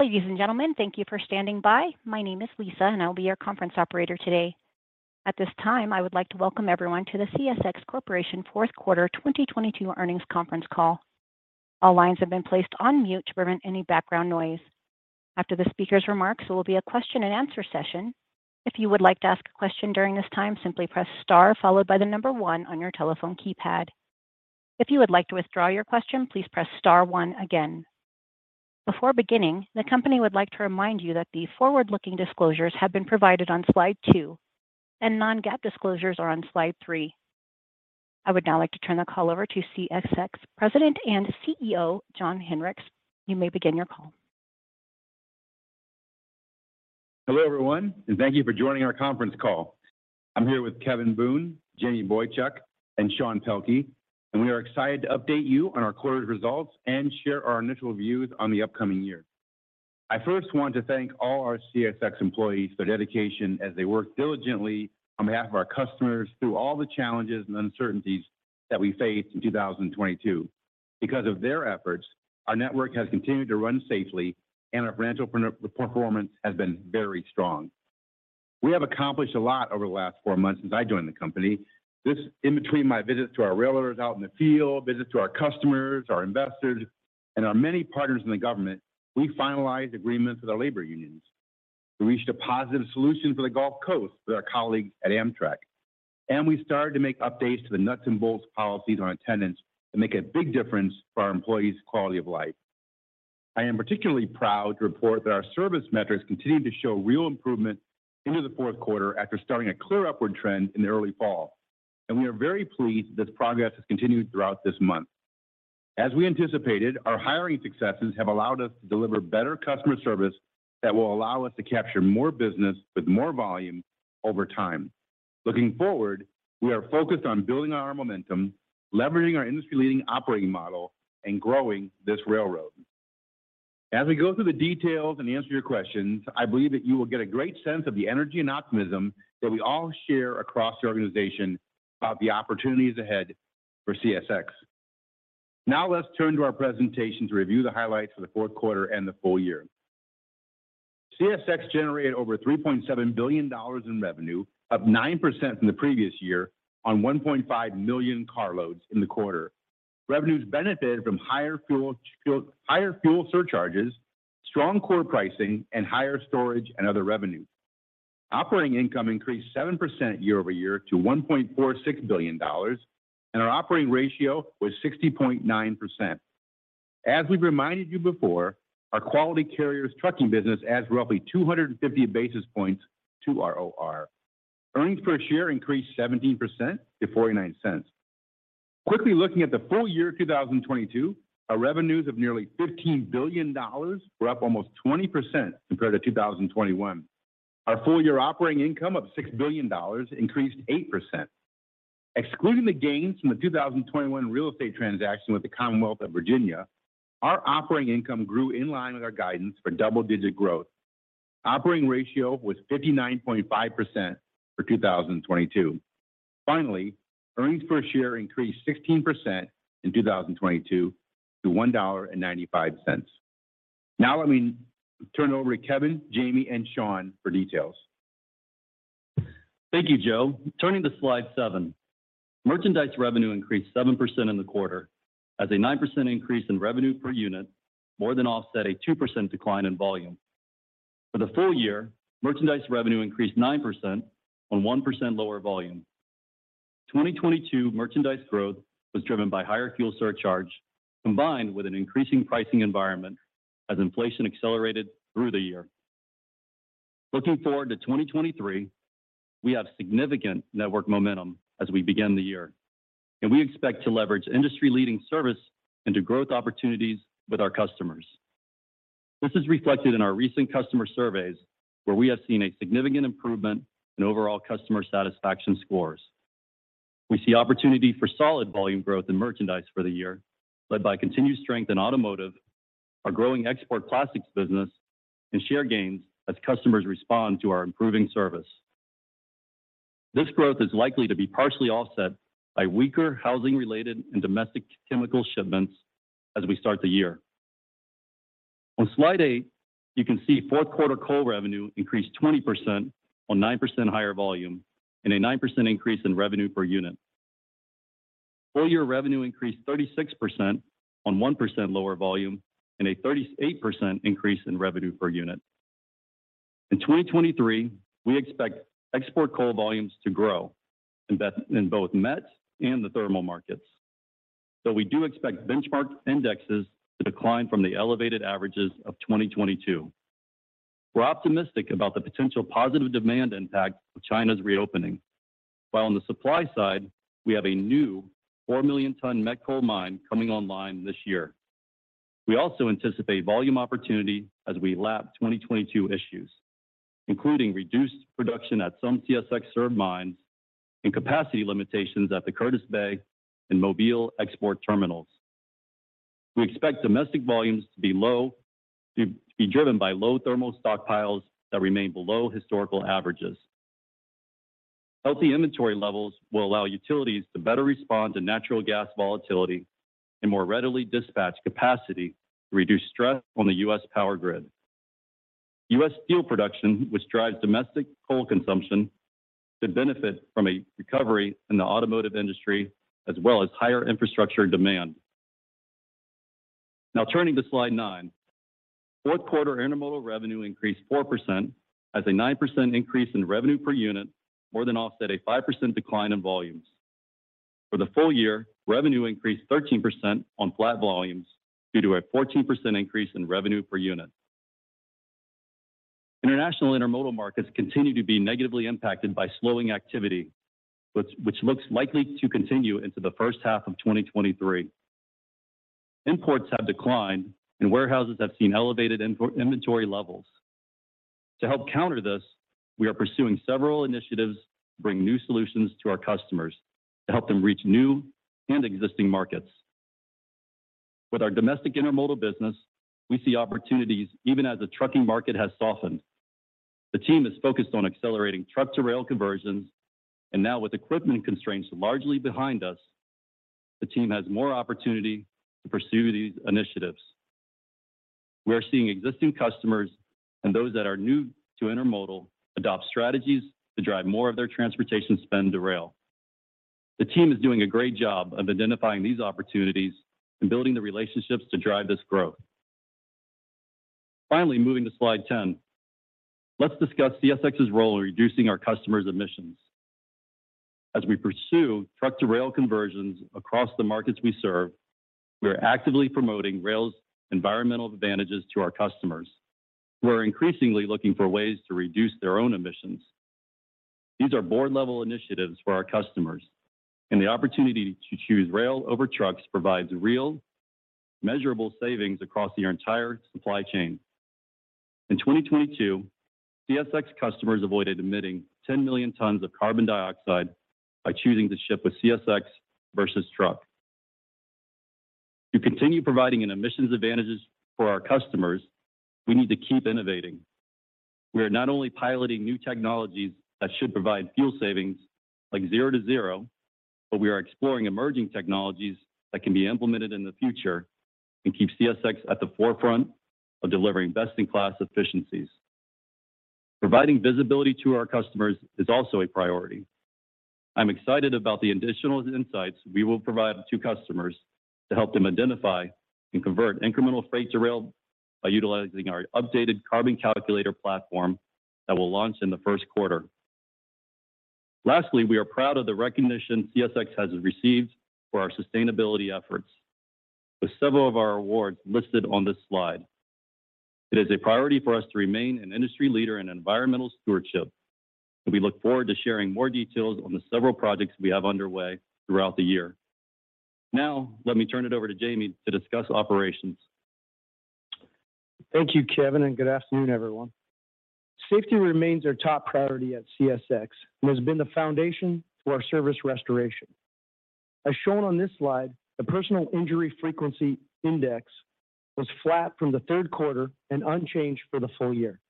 Ladies and gentlemen, thank you for standing by. My name is Lisa, I'll be your conference operator today. At this time, I would like to welcome everyone to the CSX Corporation Q4 2022 earnings conference call. All lines have been placed on mute to prevent any background noise. After the speaker's remarks, there will be a question-and-answer session. If you would like to ask a question during this time, simply press star followed by one on your telephone keypad. If you would like to withdraw your question, please press star one again. Before beginning, the company would like to remind you that the forward-looking disclosures have been provided on slide two, and non-GAAP disclosures are on slide three. I would now like to turn the call over to CSX President and CEO, Joe Hinrichs. You may begin your call. Hello, everyone. Thank you for joining our conference call. I'm here with Kevin Boone, Jamie Boychuk, and Sean Pelkey. We are excited to update you on our quarter's results and share our initial views on the upcoming year. I first want to thank all our CSX employees for their dedication as they work diligently on behalf of our customers through all the challenges and uncertainties that we faced in 2022. Because of their efforts, our network has continued to run safely and our branch open up performance has been very strong. We have accomplished a lot over the last four months since I joined the company. This in between my visits to our railroaders out in the field, visits to our customers, our investors, and our many partners in the government, we finalized agreements with our labor unions. We reached a positive solution for the Gulf Coast with our colleagues at Amtrak. We started to make updates to the nuts and bolts policies on attendance to make a big difference for our employees' quality of life. I am particularly proud to report that our service metrics continued to show real improvement into the Q4 after starting a clear upward trend in the early fall. We are very pleased this progress has continued throughout this month. As we anticipated, our hiring successes have allowed us to deliver better customer service that will allow us to capture more business with more volume over time. Looking forward, we are focused on building on our momentum, leveraging our industry-leading operating model, and growing this railroad. As we go through the details and answer your questions, I believe that you will get a great sense of the energy and optimism that we all share across the organization about the opportunities ahead for CSX. Let's turn to our presentation to review the highlights for the Q4 and the full year. CSX generated over $3.7 billion in revenue, up 9% from the previous year on 1.5 million car loads in the quarter. Revenues benefited from higher fuel, higher fuel surcharges, strong core pricing, and higher storage and other revenues. Operating income increased 7% year-over-year to $1.46 billion, and our operating ratio was 60.9%. As we've reminded you before, our Quality Carriers trucking business adds roughly 250 basis points to our OR. Earnings per share increased 17% to $0.49. Quickly looking at the full year 2022, our revenues of nearly $15 billion were up almost 20% compared to 2021. Our full-year operating income of $6 billion increased 8%. Excluding the gains from the 2021 real estate transaction with the Commonwealth of Virginia, our operating income grew in line with our guidance for double-digit growth. Operating ratio was 59.5% for 2022. Finally, earnings per share increased 16% in 2022 to $1.95. Let me turn it over to Kevin, Jamie, and Sean for details. Thank you, Joe. Turning to slide seven, merchandise revenue increased 7% in the quarter as a 9% increase in revenue per unit more than offset a 2% decline in volume. For the full year, merchandise revenue increased 9% on 1% lower volume. 2022 merchandise growth was driven by higher fuel surcharge combined with an increasing pricing environment as inflation accelerated through the year. Looking forward to 2023, we have significant network momentum as we begin the year, and we expect to leverage industry-leading service into growth opportunities with our customers. This is reflected in our recent customer surveys, where we have seen a significant improvement in overall customer satisfaction scores. We see opportunity for solid volume growth in merchandise for the year, led by continued strength in automotive, our growing export classics business, and share gains as customers respond to our improving service. This growth is likely to be partially offset by weaker housing-related and domestic chemical shipments as we start the year. On slide eight, you can see Q4 coal revenue increased 20% on 9% higher volume and a 9% increase in revenue per unit. Full year revenue increased 36% on 1% lower volume and a 38% increase in revenue per unit. In 2023, we expect export coal volumes to grow in both mets and the thermal markets. We do expect benchmark indexes to decline from the elevated averages of 2022. We're optimistic about the potential positive demand impact of China's reopening, while on the supply side, we have a new 4 million ton met coal mine coming online this year. We also anticipate volume opportunity as we lap 2022 issues, including reduced production at some CSX-served mines and capacity limitations at the Curtis Bay and Mobile export terminals. We expect domestic volumes to be driven by low thermal stockpiles that remain below historical averages. Healthy inventory levels will allow utilities to better respond to natural gas volatility and more readily dispatch capacity to reduce stress on the U.S. power grid. U.S. steel production, which drives domestic coal consumption, could benefit from a recovery in the automotive industry as well as higher infrastructure demand. Turning to slide 9. fourth quarter intermodal revenue increased 4% as a 9% increase in revenue per unit more than offset a 5% decline in volumes. For the full year, revenue increased 13% on flat volumes due to a 14% increase in revenue per unit. International intermodal markets continue to be negatively impacted by slowing activity, which looks likely to continue into the H1 of 2023. Imports have declined, and warehouses have seen elevated import inventory levels. To help counter this, we are pursuing several initiatives to bring new solutions to our customers to help them reach new and existing markets. With our domestic intermodal business, we see opportunities even as the trucking market has softened. The team is focused on accelerating truck-to-rail conversions, and now with equipment constraints largely behind us, the team has more opportunity to pursue these initiatives. We are seeing existing customers and those that are new to intermodal adopt strategies to drive more of their transportation spend to rail. The team is doing a great job of identifying these opportunities and building the relationships to drive this growth. Finally, moving to slide 10, let's discuss CSX's role in reducing our customers' emissions. As we pursue truck-to-rail conversions across the markets we serve, we are actively promoting rail's environmental advantages to our customers, who are increasingly looking for ways to reduce their own emissions. These are board-level initiatives for our customers, and the opportunity to choose rail over trucks provides real, measurable savings across their entire supply chain. In 2022, CSX customers avoided emitting 10 million tons of carbon dioxide by choosing to ship with CSX versus truck. To continue providing an emissions advantages for our customers, we need to keep innovating. We are not only piloting new technologies that should provide fuel savings like Trip Optimizer Zero-to-Zero, but we are exploring emerging technologies that can be implemented in the future and keep CSX at the forefront of delivering best-in-class efficiencies. Providing visibility to our customers is also a priority. I'm excited about the additional insights we will provide to customers to help them identify and convert incremental freight to rail by utilizing our updated Carbon Calculator platform that will launch in the Q1. Lastly, we are proud of the recognition CSX has received for our sustainability efforts, with several of our awards listed on this slide. It is a priority for us to remain an industry leader in environmental stewardship, and we look forward to sharing more details on the several projects we have underway throughout the year. Now, let me turn it over to Jamie to discuss operations. Thank you, Kevin. Good afternoon, everyone. Safety remains our top priority at CSX and has been the foundation for our service restoration. As shown on this slide, the personal injury frequency index was flat from the Q3 and unchanged for the full year.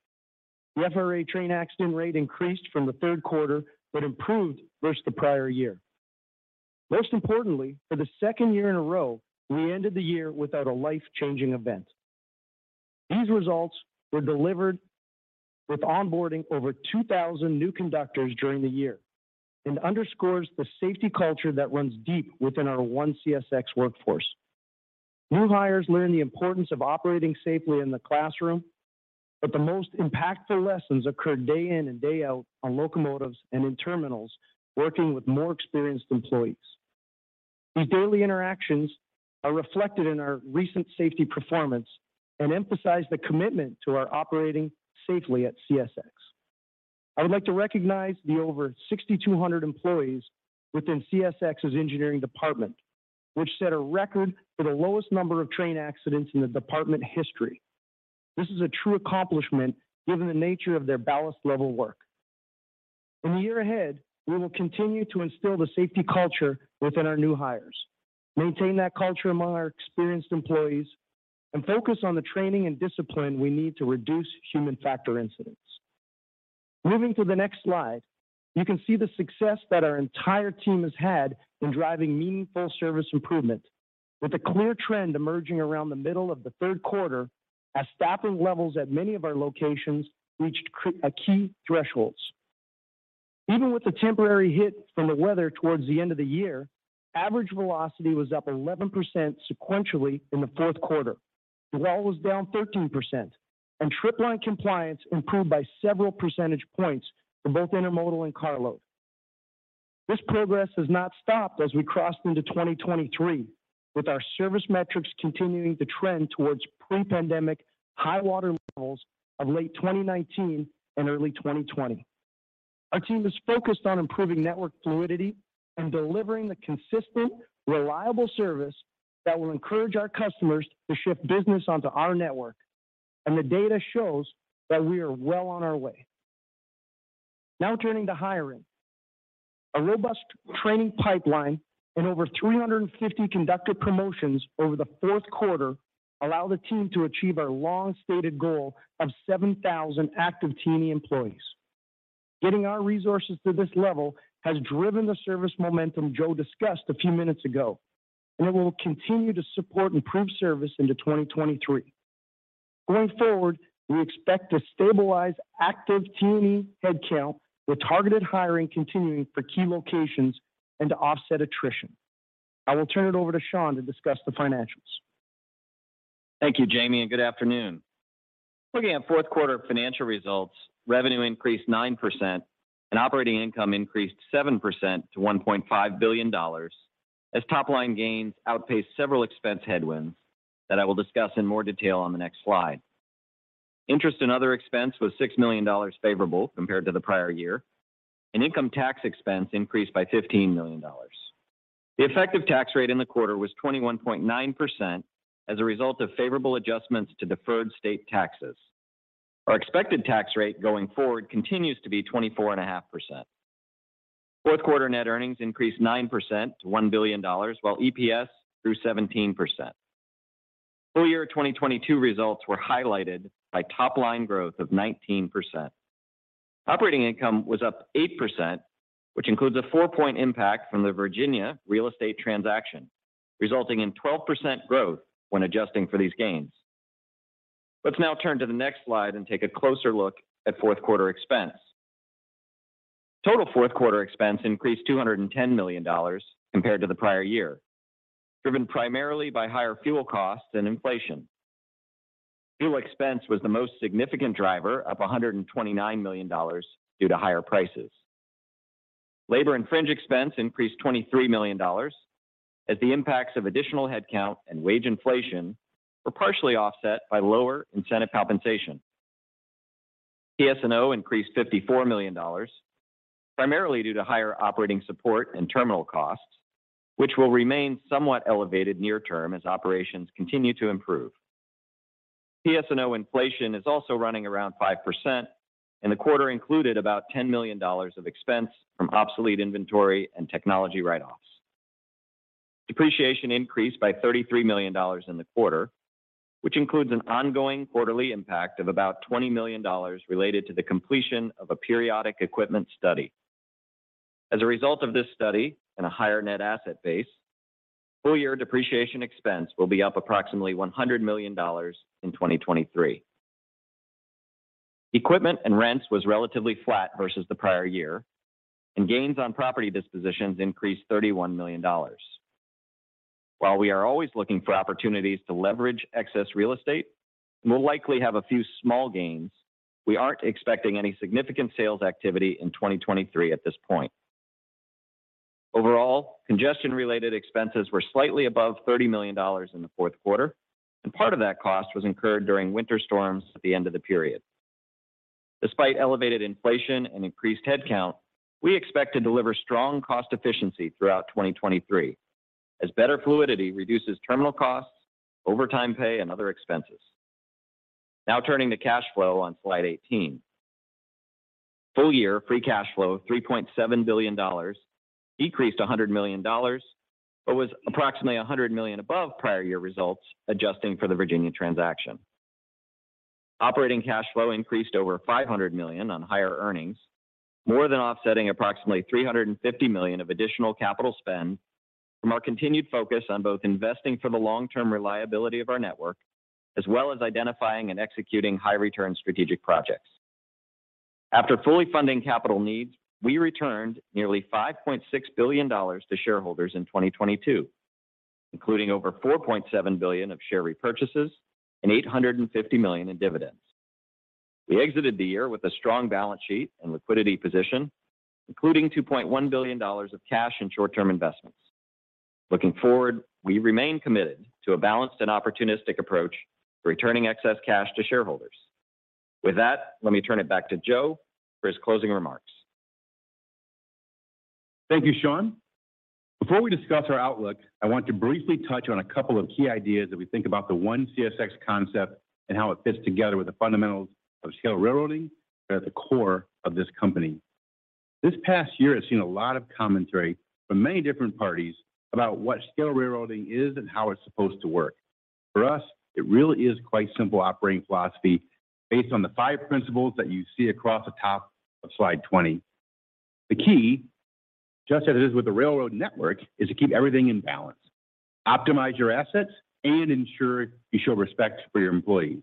The FRA train accident rate increased from the Q3 but improved versus the prior year. Most importantly, for the second year in a row, we ended the year without a life-changing event. These results were delivered with onboarding over 2,000 new conductors during the year and underscores the safety culture that runs deep within our ONE CSX workforce. New hires learn the importance of operating safely in the classroom, but the most impactful lessons occur day in and day out on locomotives and in terminals, working with more experienced employees. These daily interactions are reflected in our recent safety performance and emphasize the commitment to our operating safely at CSX. I would like to recognize the over 6,200 employees within CSX's engineering department, which set a record for the lowest number of train accidents in the department history. This is a true accomplishment given the nature of their ballast level work. In the year ahead, we will continue to instill the safety culture within our new hires, maintain that culture among our experienced employees, and focus on the training and discipline we need to reduce human factor incidents. Moving to the next slide, you can see the success that our entire team has had in driving meaningful service improvement with a clear trend emerging around the middle of the Q3 as staffing levels at many of our locations reached key thresholds. Even with the temporary hit from the weather towards the end of the year, average velocity was up 11% sequentially in the Q4. Dwell was down 13%. Trip Plan Compliance improved by several percentage points for both intermodal and carload. This progress has not stopped as we crossed into 2023, with our service metrics continuing to trend towards pre-pandemic high-water levels of late 2019 and early 2020. Our team is focused on improving network fluidity and delivering the consistent, reliable service that will encourage our customers to ship business onto our network, and the data shows that we are well on our way. Turning to hiring. A robust training pipeline and over 350 conducted promotions over the Q4 allow the team to achieve our long-stated goal of 7,000 active T&E employees. Getting our resources to this level has driven the service momentum Joe discussed a few minutes ago, and it will continue to support improved service into 2023. Going forward, we expect to stabilize active T&E headcount with targeted hiring continuing for key locations and to offset attrition. I will turn it over to Sean to discuss the financials. Thank you, Jamie, and good afternoon. Looking at fourth quarter financial results, revenue increased 9% and operating income increased 7% to $1.5 billion as top-line gains outpaced several expense headwinds that I will discuss in more detail on the next slide. Interest and other expense was $6 million favorable compared to the prior year, and income tax expense increased by $15 million. The effective tax rate in the quarter was 21.9% as a result of favorable adjustments to deferred state taxes. Our expected tax rate going forward continues to be 24.5%. Q4 net earnings increased 9% to $1 billion, while EPS grew 17%. Full year 2022 results were highlighted by top-line growth of 19%. Operating income was up 8%, which includes a four point impact from the Virginia real estate transaction, resulting in 12% growth when adjusting for these gains. Let's now turn to the next slide and take a closer look at fourth quarter expense. Total fourth quarter expense increased $210 million compared to the prior year, driven primarily by higher fuel costs and inflation. Fuel expense was the most significant driver, up $129 million due to higher prices. Labor and fringe expense increased $23 million as the impacts of additional headcount and wage inflation were partially offset by lower incentive compensation. PS&O increased $54 million, primarily due to higher operating support and terminal costs, which will remain somewhat elevated near term as operations continue to improve. PS&O inflation is also running around 5%. The quarter included about $10 million of expense from obsolete inventory and technology write-offs. Depreciation increased by $33 million in the quarter, which includes an ongoing quarterly impact of about $20 million related to the completion of a periodic equipment study. As a result of this study and a higher net asset base, full year depreciation expense will be up approximately $100 million in 2023. Equipment and rents was relatively flat versus the prior year. Gains on property dispositions increased $31 million. We are always looking for opportunities to leverage excess real estate, we'll likely have a few small gains. We aren't expecting any significant sales activity in 2023 at this point. Overall, congestion-related expenses were slightly above $30 million in the fourth quarter, and part of that cost was incurred during winter storms at the end of the period. Despite elevated inflation and increased headcount, we expect to deliver strong cost efficiency throughout 2023 as better fluidity reduces terminal costs, overtime pay, and other expenses. Now turning to cash flow on slide 18. Full year free cash flow, $3.7 billion, decreased $100 million, but was approximately $100 million above prior year results, adjusting for the Virginia transaction. Operating cash flow increased over $500 million on higher earnings, more than offsetting approximately $350 million of additional capital spend from our continued focus on both investing for the long-term reliability of our network, as well as identifying and executing high return strategic projects. After fully funding capital needs, we returned nearly $5.6 billion to shareholders in 2022, including over $4.7 billion of share repurchases and $850 million in dividends. We exited the year with a strong balance sheet and liquidity position, including $2.1 billion of cash and short-term investments. Looking forward, we remain committed to a balanced and opportunistic approach to returning excess cash to shareholders. With that, let me turn it back to Joe for his closing remarks. Thank you, Sean. Before we discuss our outlook, I want to briefly touch on a couple of key ideas that we think about the ONE CSX concept and how it fits together with the fundamentals of scale railroading that are the core of this company. This past year has seen a lot of commentary from many different parties about what scale railroading is and how it's supposed to work. For us, it really is quite simple operating philosophy based on the five principles that you see across the top of slide 20. The key, just as it is with the railroad network, is to keep everything in balance, optimize your assets, and ensure you show respect for your employees.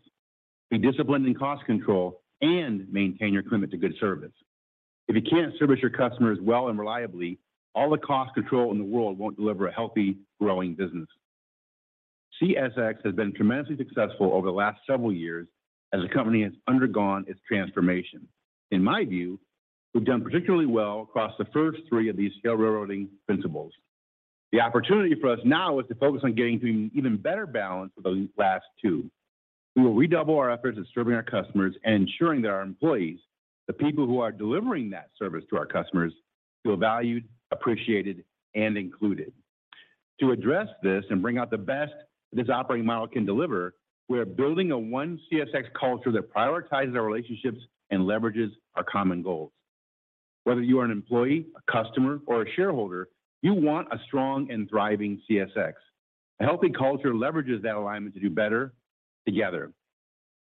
Be disciplined in cost control and maintain your commitment to good service. If you can't service your customers well and reliably, all the cost control in the world won't deliver a healthy, growing business. CSX has been tremendously successful over the last several years as the company has undergone its transformation. In my view, we've done particularly well across the first three of these scale railroading principles. The opportunity for us now is to focus on getting to an even better balance with those last two. We will redouble our efforts in serving our customers and ensuring that our employees, the people who are delivering that service to our customers, feel valued, appreciated, and included. To address this and bring out the best this operating model can deliver, we are building a ONE CSX culture that prioritizes our relationships and leverages our common goals. Whether you are an employee, a customer, or a shareholder, you want a strong and thriving CSX. A healthy culture leverages that alignment to do better together.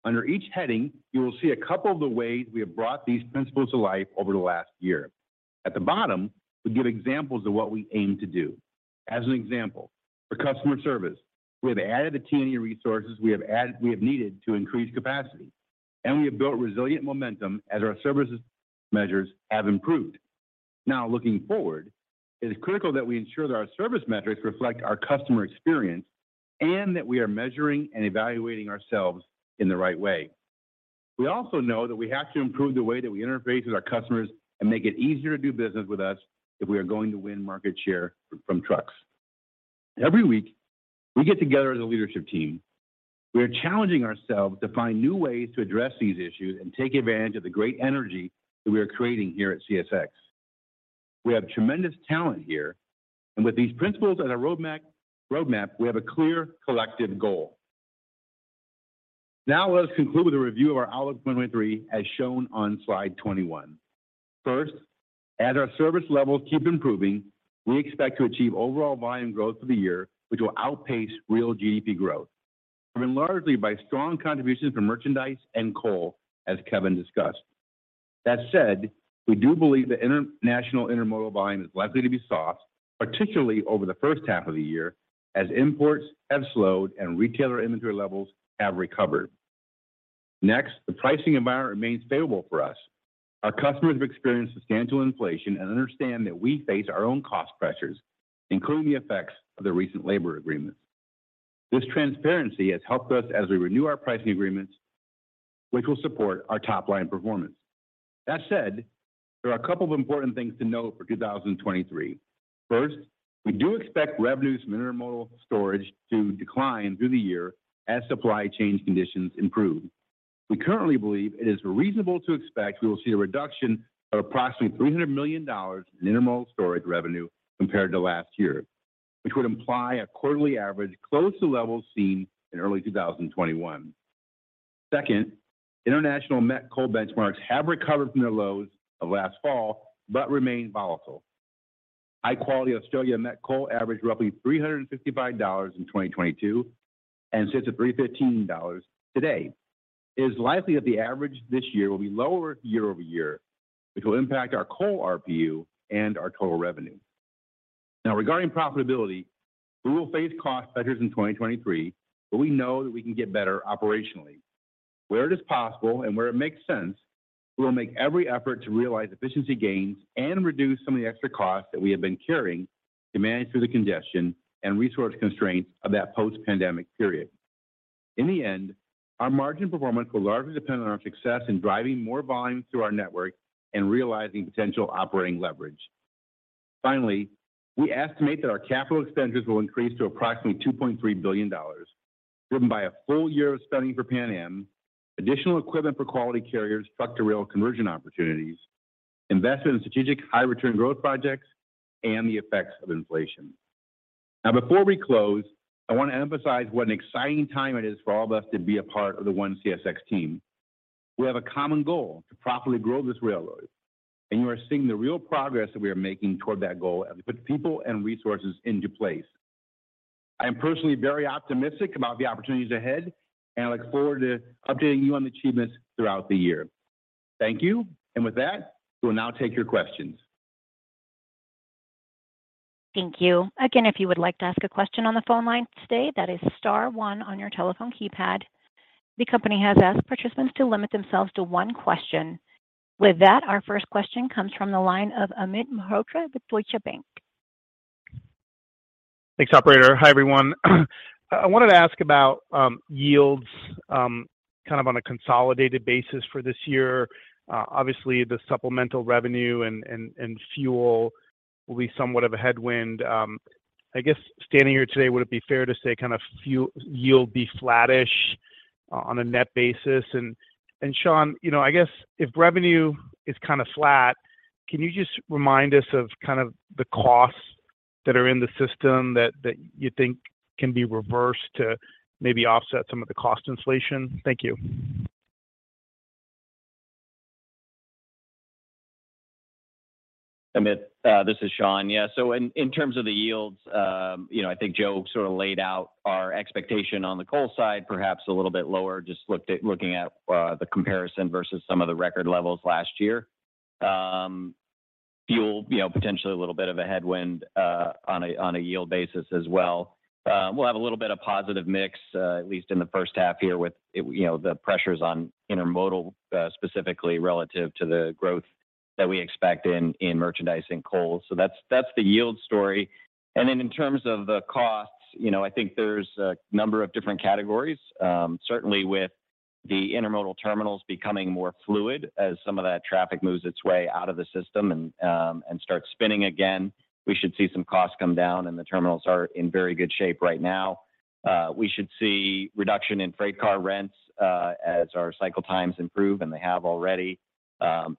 Under each heading, you will see a couple of the ways we have brought these principles to life over the last year. At the bottom, we give examples of what we aim to do. As an example, for customer service, we have added the T&E resources we have needed to increase capacity, and we have built resilient momentum as our services measures have improved. Looking forward, it is critical that we ensure that our service metrics reflect our customer experience and that we are measuring and evaluating ourselves in the right way. We also know that we have to improve the way that we interface with our customers and make it easier to do business with us if we are going to win market share from trucks. Every week, we get together as a leadership team. We are challenging ourselves to find new ways to address these issues and take advantage of the great energy that we are creating here at CSX. We have tremendous talent here, and with these principles and our roadmap, we have a clear collective goal. Let us conclude the review of our outlook 2023 as shown on slide 21. First, as our service levels keep improving, we expect to achieve overall volume growth for the year, which will outpace real GDP growth, driven largely by strong contributions from merchandise and coal, as Kevin discussed. That said, we do believe the international intermodal volume is likely to be soft, particularly over the first half of the year, as imports have slowed and retailer inventory levels have recovered. The pricing environment remains favorable for us. Our customers have experienced substantial inflation and understand that we face our own cost pressures, including the effects of the recent labor agreements. This transparency has helped us as we renew our pricing agreements, which will support our top-line performance. There are a couple of important things to note for 2023. First, we do expect revenues from intermodal storage to decline through the year as supply chain conditions improve. We currently believe it is reasonable to expect we will see a reduction of approximately $300 million in intermodal storage revenue compared to last year, which would imply a quarterly average close to levels seen in early 2021. Second, international met coal benchmarks have recovered from their lows of last fall but remain volatile. High-quality Australia met coal averaged roughly $355 in 2022 and sits at $315 today. It is likely that the average this year will be lower year-over-year, which will impact our coal RPU and our total revenue. Regarding profitability, we will face cost pressures in 2023, but we know that we can get better operationally. Where it is possible and where it makes sense, we will make every effort to realize efficiency gains and reduce some of the extra costs that we have been carrying to manage through the congestion and resource constraints of that post-pandemic period. In the end, our margin performance will largely depend on our success in driving more volume through our network and realizing potential operating leverage. Finally, we estimate that our capital expenditures will increase to approximately $2.3 billion, driven by a full year of spending for Pan Am, additional equipment for Quality Carriers, truck-to-rail conversion opportunities, investment in strategic high-return growth projects, and the effects of inflation. Before we close, I want to emphasize what an exciting time it is for all of us to be a part of the ONE CSX team. We have a common goal to profitably grow this railroad, and you are seeing the real progress that we are making toward that goal as we put people and resources into place. I am personally very optimistic about the opportunities ahead, and I look forward to updating you on the achievements throughout the year. Thank you. With that, we will now take your questions. Thank you. Again, if you would like to ask a question on the phone line today, that is star one on your telephone keypad. The company has asked participants to limit themselves to one question. With that, our first question comes from the line of Amit Mehrotra with Deutsche Bank. Thanks, operator. Hi, everyone. I wanted to ask about yields, kind of on a consolidated basis for this year. Obviously, the supplemental revenue and fuel will be somewhat of a headwind. I guess standing here today, would it be fair to say kind of yield be flattish on a net basis? Sean, you know, I guess if revenue is kind of flat, can you just remind us of kind of the costs that are in the system that you think can be reversed to maybe offset some of the cost inflation? Thank you. Amit Mehrotra, this is Sean Pelkey. Yeah. In terms of the yields, you know, I think Joe Hinrichs sort of laid out our expectation on the coal side, perhaps a little bit lower, looking at the comparison versus some of the record levels last year. Fuel, you know, potentially a little bit of a headwind on a yield basis as well. We'll have a little bit of positive mix, at least in the H1 year, you know, the pressures on intermodal specifically relative to the growth that we expect in merchandise and coal. That's the yield story. In terms of the costs, you know, I think there's a number of different categories. Certainly with the intermodal terminals becoming more fluid as some of that traffic moves its way out of the system and starts spinning again, we should see some costs come down, and the terminals are in very good shape right now. We should see reduction in freight car rents, as our cycle times improve, and they have already.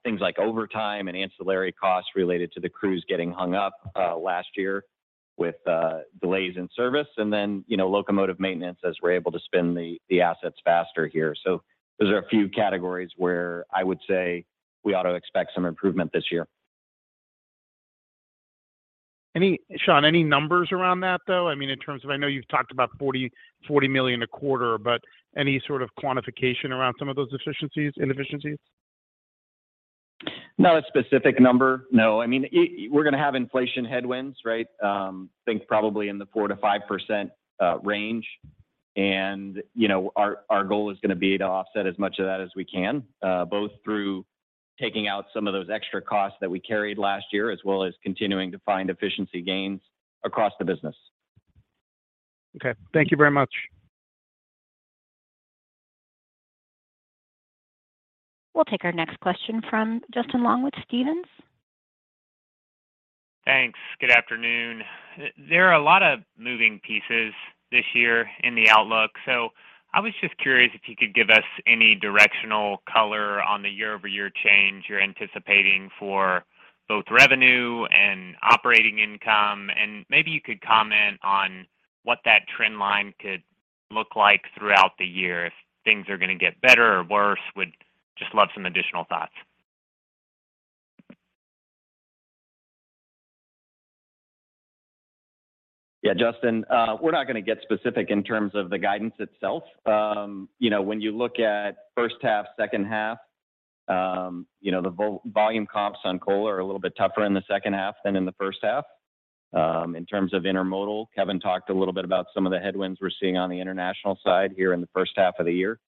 Things like overtime and ancillary costs related to the crews getting hung up, last year with delays in service, and then, you know, locomotive maintenance as we're able to spin the assets faster here. Those are a few categories where I would say we ought to expect some improvement this year. Sean, any numbers around that, though? I mean, in terms of, I know you've talked about $40 million a quarter, but any sort of quantification around some of those inefficiencies? Not a specific number, no. I mean, we're gonna have inflation headwinds, right? think probably in the 4%-5% range. you know, our goal is gonna be to offset as much of that as we can, both through taking out some of those extra costs that we carried last year, as well as continuing to find efficiency gains across the business. Okay. Thank you very much. We'll take our next question from Justin Long with Stephens. Thanks. Good afternoon. There are a lot of moving pieces this year in the outlook, so I was just curious if you could give us any directional color on the year-over-year change you're anticipating for both revenue and operating income. Maybe you could comment on what that trend line could look like throughout the year, if things are gonna get better or worse. Would just love some additional thoughts. Yeah, Justin, we're not going to get specific in terms of the guidance itself. You know, when you look at first half, second half, you know, the volume comps on coal are a little bit tougher in the second half than in the H1. In terms of intermodal, Kevin talked a little bit about some of the headwinds we're seeing on the international side here in the first half of the year.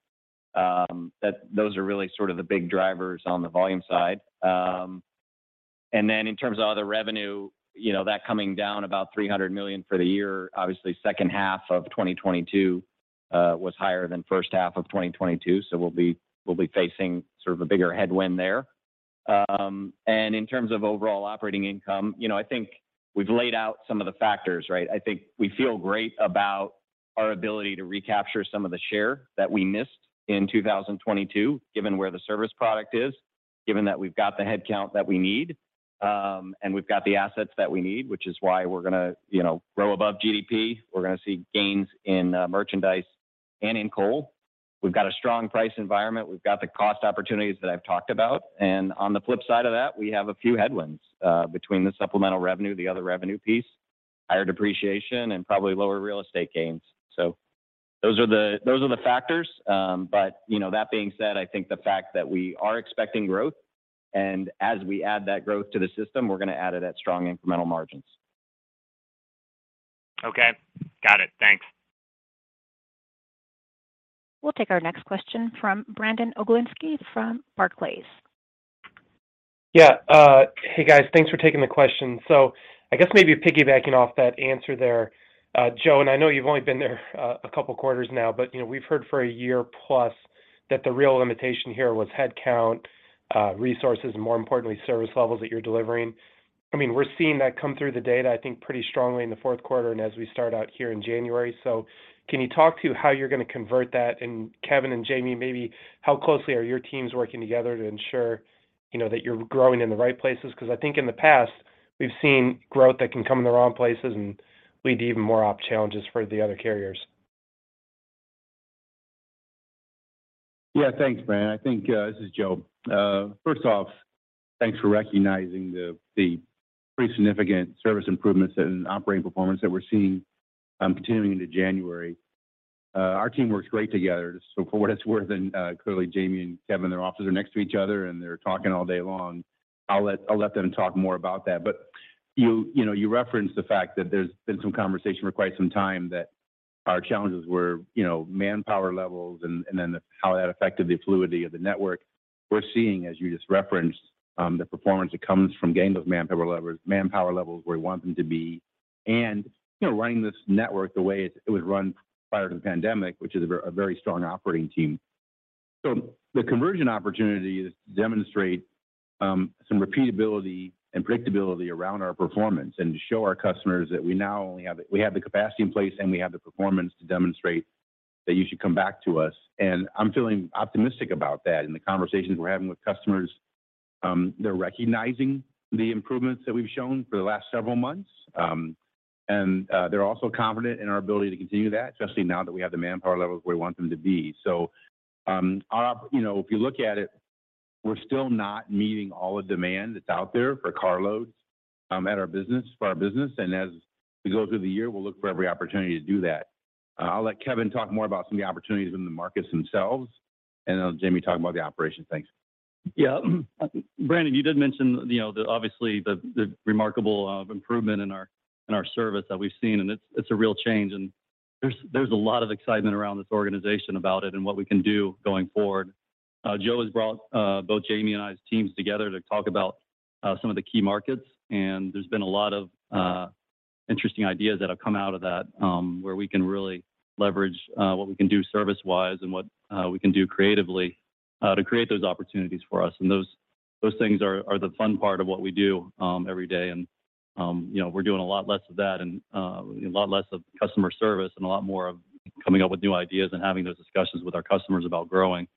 Those are really sort of the big drivers on the volume side. In terms of other revenue, you know, that coming down about $300 million for the year, obviously second half of 2022 was higher than first half of 2022, we'll be facing sort of a bigger headwind there. In terms of overall operating income, you know, I think we've laid out some of the factors, right? I think we feel great about our ability to recapture some of the share that we missed in 2022, given where the service product is, given that we've got the headcount that we need, and we've got the assets that we need, which is why we're gonna, you know, grow above GDP. We're gonna see gains in merchandise and in coal. We've got a strong price environment. We've got the cost opportunities that I've talked about. On the flip side of that, we have a few headwinds, between the supplemental revenue, the other revenue piece, higher depreciation, and probably lower real estate gains. Those are the, those are the factors. You know, that being said, I think the fact that we are expecting growth, and as we add that growth to the system, we're gonna add it at strong incremental margins. Okay. Got it. Thanks. We'll take our next question from Brandon Oglenski from Barclays. Hey, guys. Thanks for taking the question. I guess maybe piggybacking off that answer there, Joe, I know you've only been there a couple quarters now, but, you know, we've heard for a year plus that the real limitation here was headcount, resources, and more importantly, service levels that you're delivering. I mean, we're seeing that come through the data, I think, pretty strongly in the Q4 and as we start out here in January. Can you talk to how you're gonna convert that? Kevin and Jamie, maybe how closely are your teams working together to ensure, you know, that you're growing in the right places? Because I think in the past, we've seen growth that can come in the wrong places and lead to even more op challenges for the other carriers. Thanks, Brandon. I think this is Joe. First off, thanks for recognizing the pretty significant service improvements in operating performance that we're seeing, continuing into January. Our team works great together. So for what it's worth, and clearly Jamie and Kevin, their offices are next to each other and they're talking all day long. I'll let them talk more about that. You know, you referenced the fact that there's been some conversation for quite some time that our challenges were, you know, manpower levels and then how that affected the fluidity of the network. We're seeing, as you just referenced, the performance that comes from getting those manpower levels where we want them to be and, you know, running this network the way it would run prior to the pandemic, which is a very strong operating team. The conversion opportunity is to demonstrate some repeatability and predictability around our performance and to show our customers that we have the capacity in place and we have the performance to demonstrate that you should come back to us. I'm feeling optimistic about that. In the conversations we're having with customers, they're recognizing the improvements that we've shown for the last several months. They're also confident in our ability to continue that, especially now that we have the manpower levels where we want them to be. You know, if you look at it, we're still not meeting all the demand that's out there for car loads, at our business, for our business. As we go through the year, we'll look for every opportunity to do that. I'll let Kevin talk more about some of the opportunities in the markets themselves, and I'll have Jamie talk about the operations. Thanks. Yeah. Brandon, you did mention, you know, the obviously the remarkable improvement in our service that we've seen, and it's a real change. There's a lot of excitement around this organization about it and what we can do going forward. Joe has brought both Jamie and I's teams together to talk about some of the key markets, and there's been a lot of interesting ideas that have come out of that, where we can really leverage what we can do service-wise and what we can do creatively to create those opportunities for us. Those Those things are the fun part of what we do every day. You know, we're doing a lot less of that and a lot less of customer service and a lot more of coming up with new ideas and having those discussions with our customers about growing.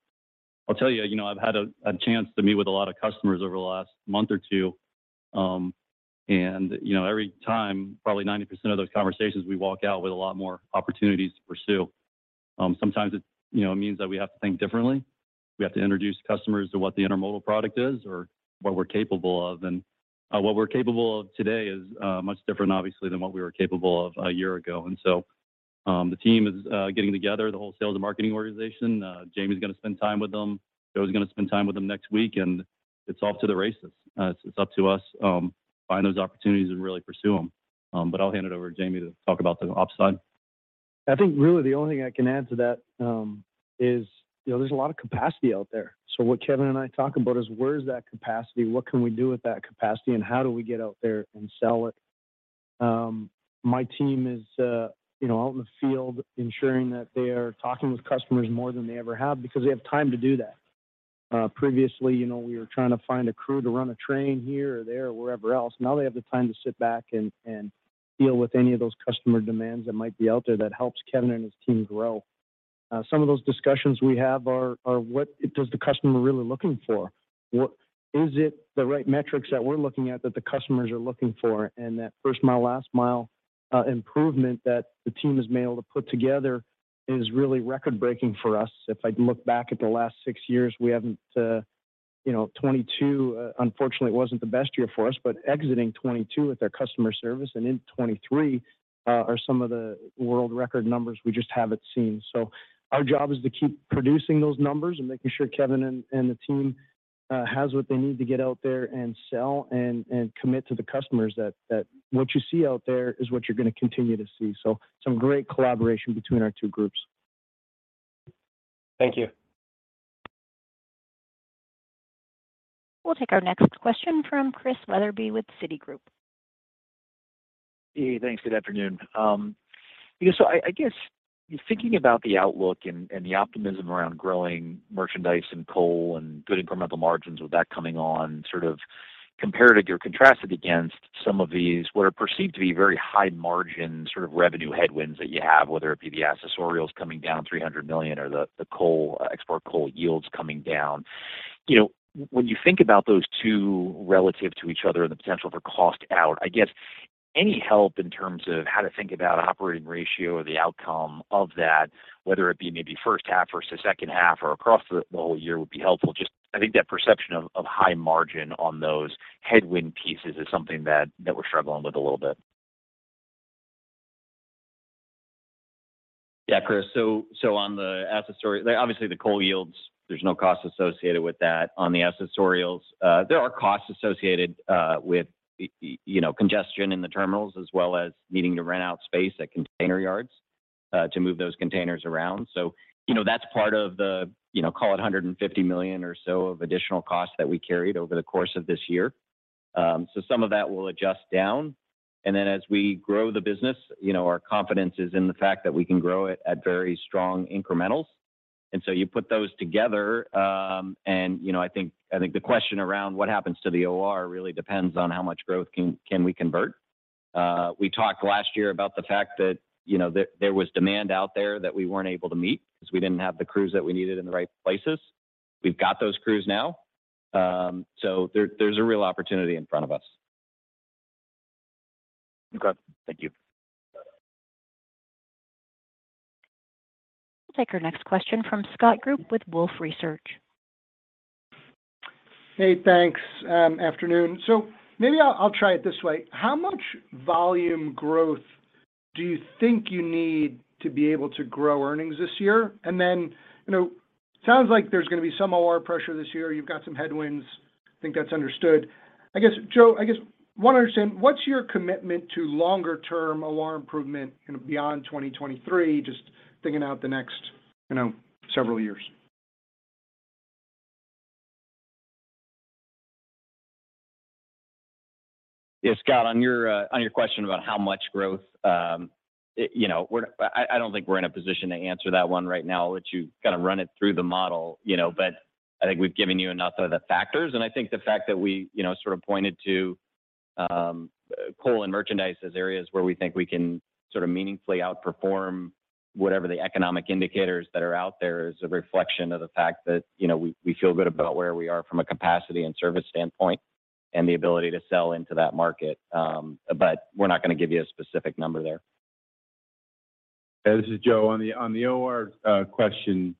I'll tell you know, I've had a chance to meet with a lot of customers over the last month or two. You know, every time, probably 90% of those conversations, we walk out with a lot more opportunities to pursue. Sometimes it, you know, means that we have to think differently. We have to introduce customers to what the intermodal product is or what we're capable of. What we're capable of today is much different obviously than what we were capable of a year ago. The team is getting together, the whole sales and marketing organization. Jamie's gonna spend time with them. Joe's gonna spend time with them next week, and it's off to the races. It's up to us to find those opportunities and really pursue them. I'll hand it over to Jamie to talk about the ops side. I think really the only thing I can add to that, you know, there's a lot of capacity out there. What Kevin and I talk about is where is that capacity, what can we do with that capacity, and how do we get out there and sell it? My team is, you know, out in the field ensuring that they are talking with customers more than they ever have because they have time to do that. Previously, you know, we were trying to find a crew to run a train here or there or wherever else. Now they have the time to sit back and deal with any of those customer demands that might be out there that helps Kevin and his team grow. Some of those discussions we have are what is the customer really looking for? What is it the right metrics that we're looking at that the customers are looking for? That first-mile, last-mile improvement that the team has been able to put together is really record-breaking for us. If I look back at the last six years, we haven't. You know, 2022 unfortunately wasn't the best year for us, but exiting 2022 with our customer service and in 2023 are some of the world record numbers we just haven't seen. Our job is to keep producing those numbers and making sure Kevin and the team has what they need to get out there and sell and commit to the customers that what you see out there is what you're gonna continue to see. Some great collaboration between our two groups. Thank you. We'll take our next question from Chris Wetherbee with Citigroup. Hey, thanks. Good afternoon. I guess thinking about the outlook and the optimism around growing merchandise and coal and good incremental margins with that coming on, sort of comparative or contrasted against some of these what are perceived to be very high margin sort of revenue headwinds that you have, whether it be the accessorials coming down $300 million or the coal export coal yields coming down. You know, when you think about those two relative to each other and the potential for cost out, I guess any help in terms of how to think about operating ratio or the outcome of that, whether it be maybe first half versus second half or across the whole year would be helpful. Just I think that perception of high margin on those headwind pieces is something that we're struggling with a little bit. Yeah, Chris. Obviously, the coal yields, there's no cost associated with that. On the accessorials, there are costs associated with, you know, congestion in the terminals as well as needing to rent out space at container yards to move those containers around. You know, that's part of the, you know, call it $150 million or so of additional costs that we carried over the course of this year. Some of that will adjust down. As we grow the business, you know, our confidence is in the fact that we can grow it at very strong incrementals. You put those together, you know, I think the question around what happens to the OR really depends on how much growth can we convert. We talked last year about the fact that, you know, there was demand out there that we weren't able to meet 'cause we didn't have the crews that we needed in the right places. We've got those crews now. There's a real opportunity in front of us. Okay. Thank you. We'll take our next question from Scott Group with Wolfe Research. Hey, thanks. Afternoon. Maybe I'll try it this way. How much volume growth do you think you need to be able to grow earnings this year? Then, you know, sounds like there's gonna be some OR pressure this year. You've got some headwinds. I think that's understood. I guess, Joe, I guess wanna understand, what's your commitment to longer term OR improvement kind of beyond 2023? Just thinking out the next, you know, several years. Yeah. Scott, on your on your question about how much growth, you know, I don't think we're in a position to answer that one right now, which you've got to run it through the model, you know? I think we've given you enough of the factors, and I think the fact that we, you know, sort of pointed to coal and merchandise as areas where we think we can sort of meaningfully outperform whatever the economic indicators that are out there is a reflection of the fact that, you know, we feel good about where we are from a capacity and service standpoint and the ability to sell into that market. We're not gonna give you a specific number there. Yeah. This is Joe. On the OR question,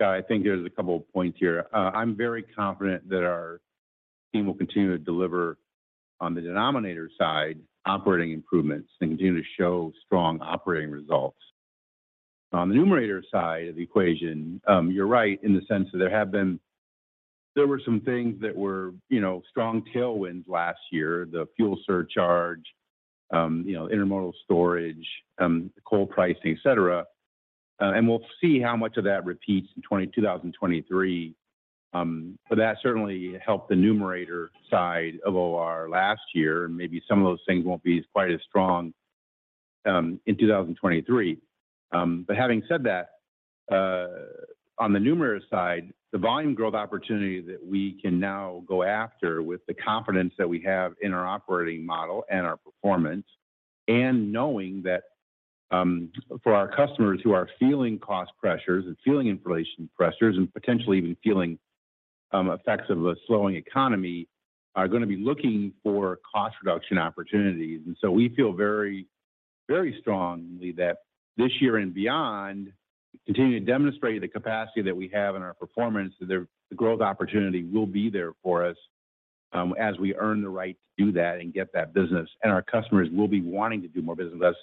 I think there's a couple of points here. I'm very confident that our team will continue to deliver on the denominator side operating improvements and continue to show strong operating results. On the numerator side of the equation, you're right in the sense that there were some things that were, you know, strong tailwinds last year, the fuel surcharge, you know, intermodal storage, coal pricing, etc. We'll see how much of that repeats in 2023. That certainly helped the numerator side of OR last year, and maybe some of those things won't be quite as strong In 2023. Having said that, on the numerous side, the volume growth opportunity that we can now go after with the confidence that we have in our operating model and our performance, and knowing that, for our customers who are feeling cost pressures and feeling inflation pressures, and potentially even feeling, effects of a slowing economy, are gonna be looking for cost reduction opportunities. We feel very, very strongly that this year and beyond, continue to demonstrate the capacity that we have in our performance, the growth opportunity will be there for us, as we earn the right to do that and get that business. Our customers will be wanting to do more business with us.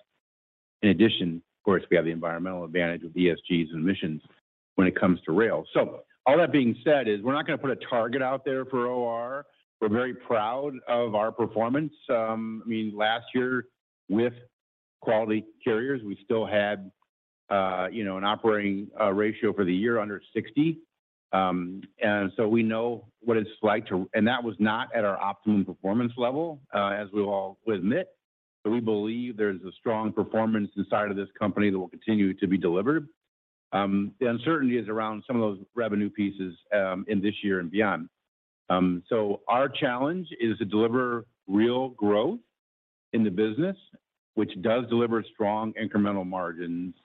In addition, of course, we have the environmental advantage of ESGs and emissions when it comes to rail. All that being said is we're not gonna put a target out there for OR. We're very proud of our performance. I mean, last year with Quality Carriers, we still had, you know, an operating ratio for the year under 60. We know what it's like. And that was not at our optimum performance level, as we all will admit. We believe there's a strong performance inside of this company that will continue to be delivered. The uncertainty is around some of those revenue pieces, in this year and beyond. Our challenge is to deliver real growth in the business, which does deliver strong incremental margins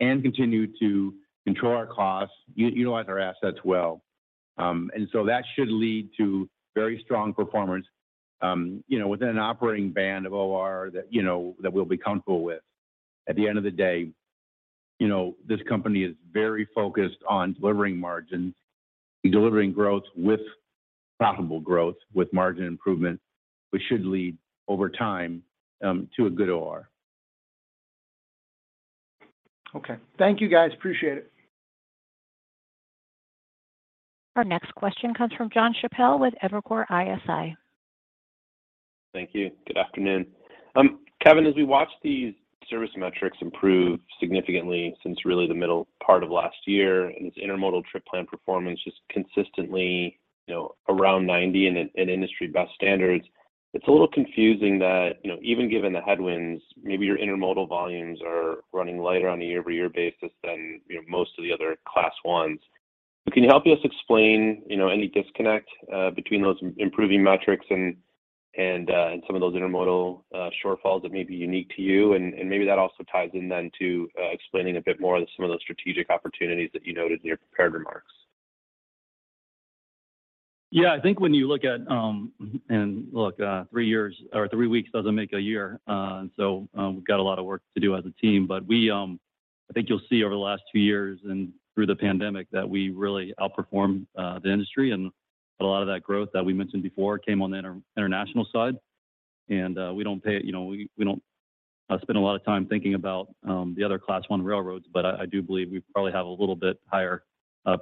and continue to control our costs, utilize our assets well. That should lead to very strong performance, you know, within an operating band of OR that, you know, that we'll be comfortable with. At the end of the day, you know, this company is very focused on delivering margins and delivering growth with profitable growth, with margin improvement, which should lead over time, to a good OR. Okay. Thank you, guys. Appreciate it. Our next question comes from Jon Chappell with Evercore ISI. Thank you. Good afternoon. Kevin, as we watch these service metrics improve significantly since really the middle part of last year, and this intermodal trip plan performance just consistently, you know, around 90 in industry best standards, it's a little confusing that, you know, even given the headwinds, maybe your intermodal volumes are running lighter on a year-over-year basis than, you know, most of the other Class Is. Can you help us explain, you know, any disconnect between those improving metrics and some of those intermodal shortfalls that may be unique to you? Maybe that also ties in then to explaining a bit more of some of those strategic opportunities that you noted in your prepared remarks. Yeah. I think when you look at... Look, three years or three weeks doesn't make a year, and so, we've got a lot of work to do as a team. We, I think you'll see over the last two years and through the pandemic that we really outperformed the industry, and a lot of that growth that we mentioned before came on the inter-international side. We don't pay, you know, we don't spend a lot of time thinking about the other Class I railroads, but I do believe we probably have a little bit higher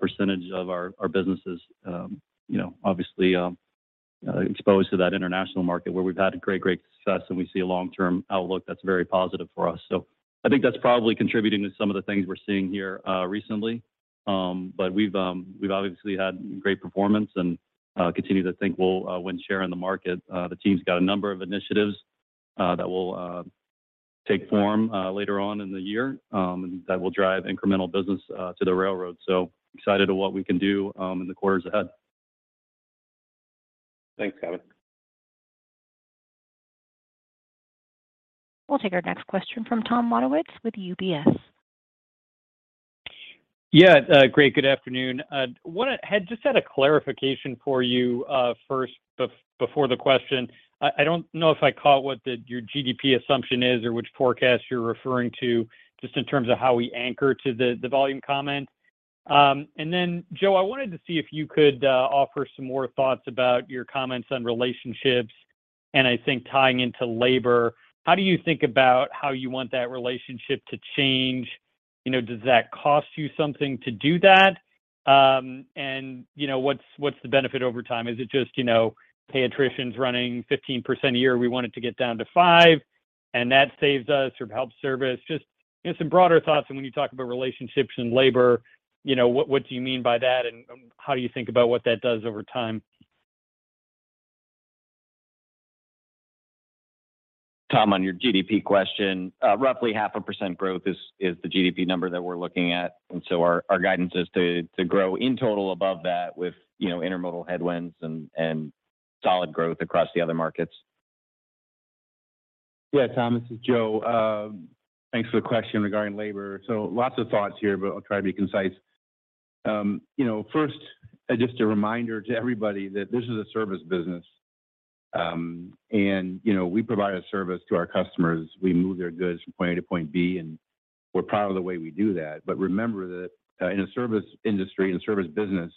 percentage of our businesses, you know, obviously, exposed to that international market where we've had great success and we see a long-term outlook that's very positive for us. I think that's probably contributing to some of the things we're seeing here recently. We've obviously had great performance and continue to think we'll win share in the market. The team's got a number of initiatives that will take form later on in the year that will drive incremental business to the railroad. Excited of what we can do in the quarters ahead. Thanks, Kevin. We'll take our next question from Tom Wadewitz with UBS. Yeah, great. Good afternoon. Just had a clarification for you before the question. I don't know if I caught what your GDP assumption is or which forecast you're referring to just in terms of how we anchor to the volume comment. Joe, I wanted to see if you could offer some more thoughts about your comments on relationships and I think tying into labor. How do you think about how you want that relationship to change? You know, does that cost you something to do that? You know, what's the benefit over time? Is it just, you know, hey, attrition's running 15% a year, we want it to get down to five, and that saves us or helps service? Just, you know, some broader thoughts when you talk about relationships and labor, you know, what do you mean by that, and how do you think about what that does over time? Tom, on your GDP question, roughly half a percent growth is the GDP number that we're looking at. Our guidance is to grow in total above that with, you know, intermodal headwinds and solid growth across the other markets. Tom, this is Joe. Thanks for the question regarding labor. Lots of thoughts here, but I'll try to be concise. You know, first, just a reminder to everybody that this is a service business. You know, we provide a service to our customers. We move their goods from point A to point B, and we're proud of the way we do that. Remember that, in a service industry, in a service business,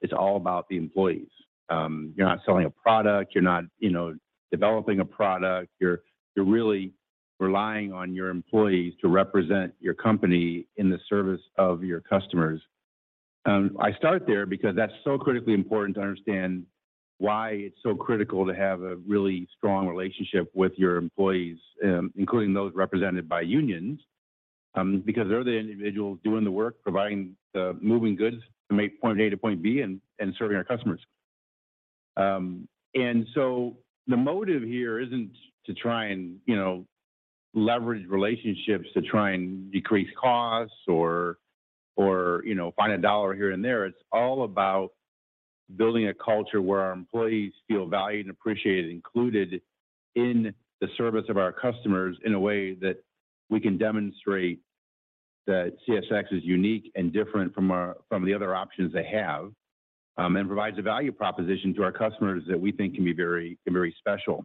it's all about the employees. You're not selling a product, you're not, you know, developing a product. You're really relying on your employees to represent your company in the service of your customers. I start there because that's so critically important to understand why it's so critical to have a really strong relationship with your employees, including those represented by unions, because they're the individuals doing the work, providing the moving goods from point A to point B and serving our customers. The motive here isn't to try and leverage relationships to try and decrease costs or find a dollar here and there. It's all about building a culture where our employees feel valued and appreciated and included in the service of our customers in a way that we can demonstrate that CSX is unique and different from the other options they have and provides a value proposition to our customers that we think can be very, very special.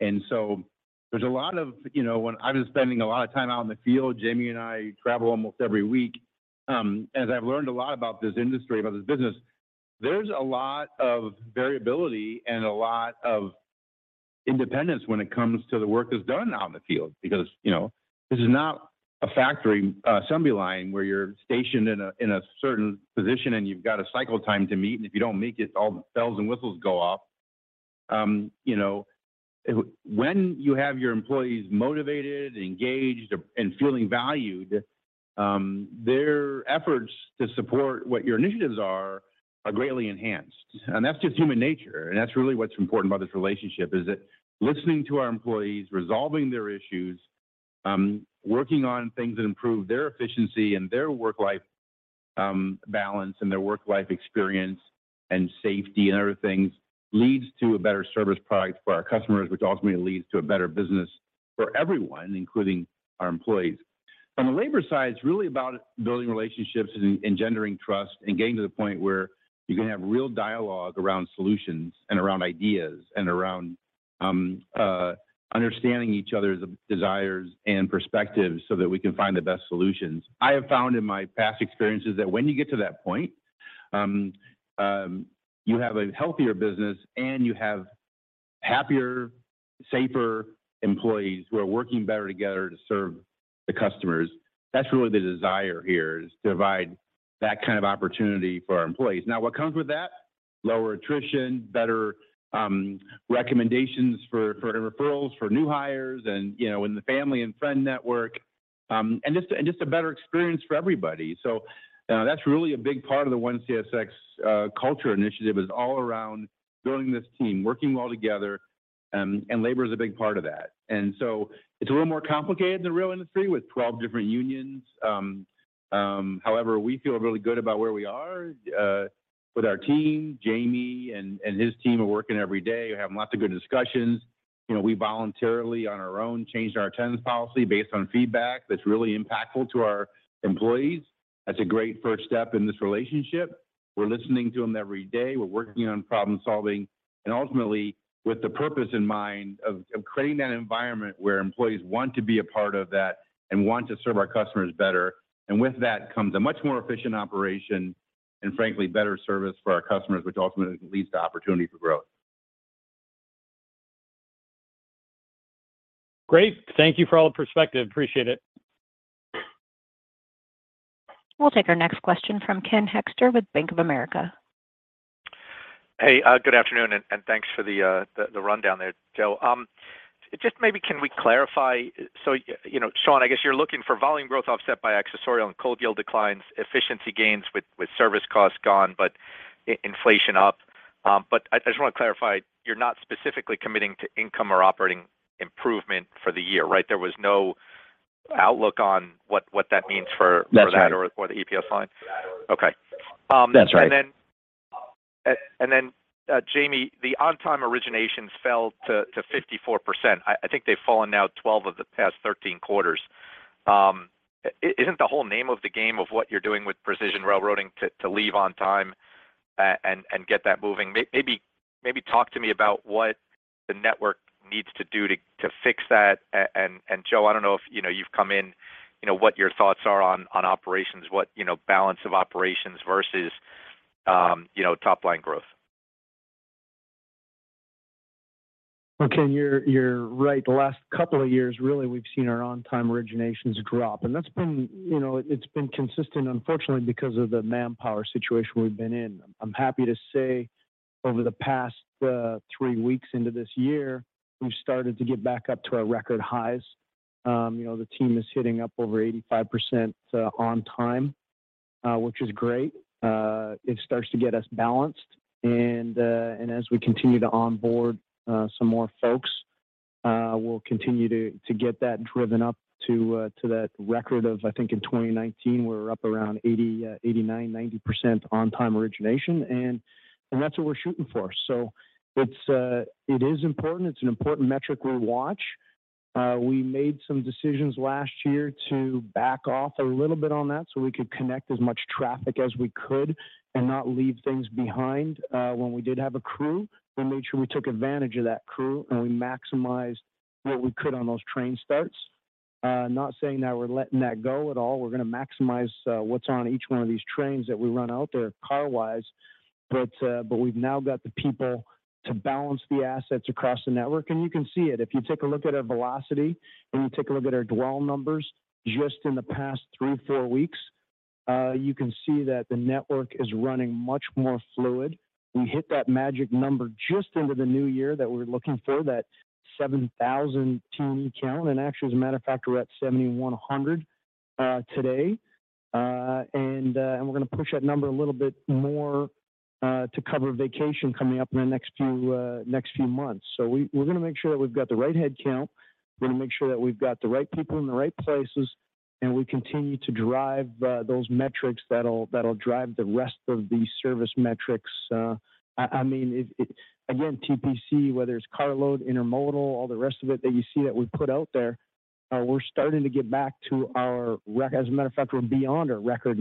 There's a lot of... You know, when I've been spending a lot of time out in the field, Jamie and I travel almost every week. As I've learned a lot about this industry, about this business, there's a lot of variability and a lot of independence when it comes to the work that's done out in the field. Because, you know, this is not a factory, assembly line where you're stationed in a, in a certain position and you've got a cycle time to meet, and if you don't make it, all the bells and whistles go off. You know, when you have your employees motivated, engaged, and feeling valued, their efforts to support what your initiatives are greatly enhanced. That's just human nature, and that's really what's important about this relationship, is that listening to our employees, resolving their issues, working on things that improve their efficiency and their work-life balance and their work-life experience and safety and other things, leads to a better service product for our customers, which ultimately leads to a better business for everyone, including our employees. From a labor side, it's really about building relationships and gendering trust and getting to the point where you can have real dialogue around solutions and around ideas and around understanding each other's desires and perspectives so that we can find the best solutions. I have found in my past experiences that when you get to that point, you have a healthier business and you have happier, safer employees who are working better together to serve the customers. That's really the desire here, is to provide that kind of opportunity for our employees. Now, what comes with that? Lower attrition, better recommendations for referrals for new hires and, you know, in the family and friend network, and just a better experience for everybody. That's really a big part of the ONE CSX culture initiative is all around building this team, working well together, and labor is a big part of that. It's a little more complicated in the real industry with 12 different unions. However, we feel really good about where we are with our team. Jamie and his team are working every day. We're having lots of good discussions. You know, we voluntarily, on our own, changed our attendance policy based on feedback that's really impactful to our employees. That's a great first step in this relationship. We're listening to them every day. We're working on problem solving, and ultimately, with the purpose in mind of creating that environment where employees want to be a part of that and want to serve our customers better. With that comes a much more efficient operation and frankly, better service for our customers, which ultimately leads to opportunity for growth. Great. Thank you for all the perspective. Appreciate it. We'll take our next question from Ken Hoexter with Bank of America. Hey, good afternoon, and thanks for the rundown there, Joe. Just maybe can we clarify? You know, Sean, I guess you're looking for volume growth offset by accessorial and coal yield declines, efficiency gains with service costs gone, but inflation up. I just want to clarify, you're not specifically committing to income or operating improvement for the year, right? There was no outlook on what that means for. That's right. for that or the EPS line. Okay. That's right. Jamie, the on-time originations fell to 54%. I think they've fallen now 12 of the past 13 quarters. Isn't the whole name of the game of what you're doing with Precision railroading to leave on time and get that moving? Maybe talk to me about what the network needs to do to fix that. Joe, I don't know if, you know, you've come in, you know, what your thoughts are on operations, what, you know, balance of operations versus, you know, top line growth. Okay. You're right. The last couple of years, really, we've seen our on-time originations drop, and that's been consistent, unfortunately, because of the manpower situation we've been in. I'm happy to say over the past three weeks into this year, we've started to get back up to our record highs. You know, the team is hitting up over 85% on time, which is great. It starts to get us balanced. As we continue to onboard some more folks, we'll continue to get that driven up to that record of, I think in 2019, we were up around 80, 89%-90% on time origination and that's what we're shooting for. It's important. It's an important metric we watch. We made some decisions last year to back off a little bit on that so we could connect as much traffic as we could and not leave things behind. When we did have a crew, we made sure we took advantage of that crew, and we maximized what we could on those train starts. Not saying that we're letting that go at all. We're gonna maximize what's on each one of these trains that we run out there car-wise, but we've now got the people to balance the assets across the network, and you can see it. If you take a look at our velocity, and you take a look at our dwell numbers just in the past three, four weeks, you can see that the network is running much more fluid. We hit that magic number just into the new year that we're looking for, that 7,000 T&E count. Actually, as a matter of fact, we're at 7,100. Today. We're gonna push that number a little bit more to cover vacation coming up in the next few months. We're gonna make sure that we've got the right head count. We're gonna make sure that we've got the right people in the right places, and we continue to drive those metrics that'll drive the rest of the service metrics. I mean, again, TPC, whether it's carload, intermodal, all the rest of it that you see that we put out there, we're starting to get back to our as a matter of fact, we're beyond our record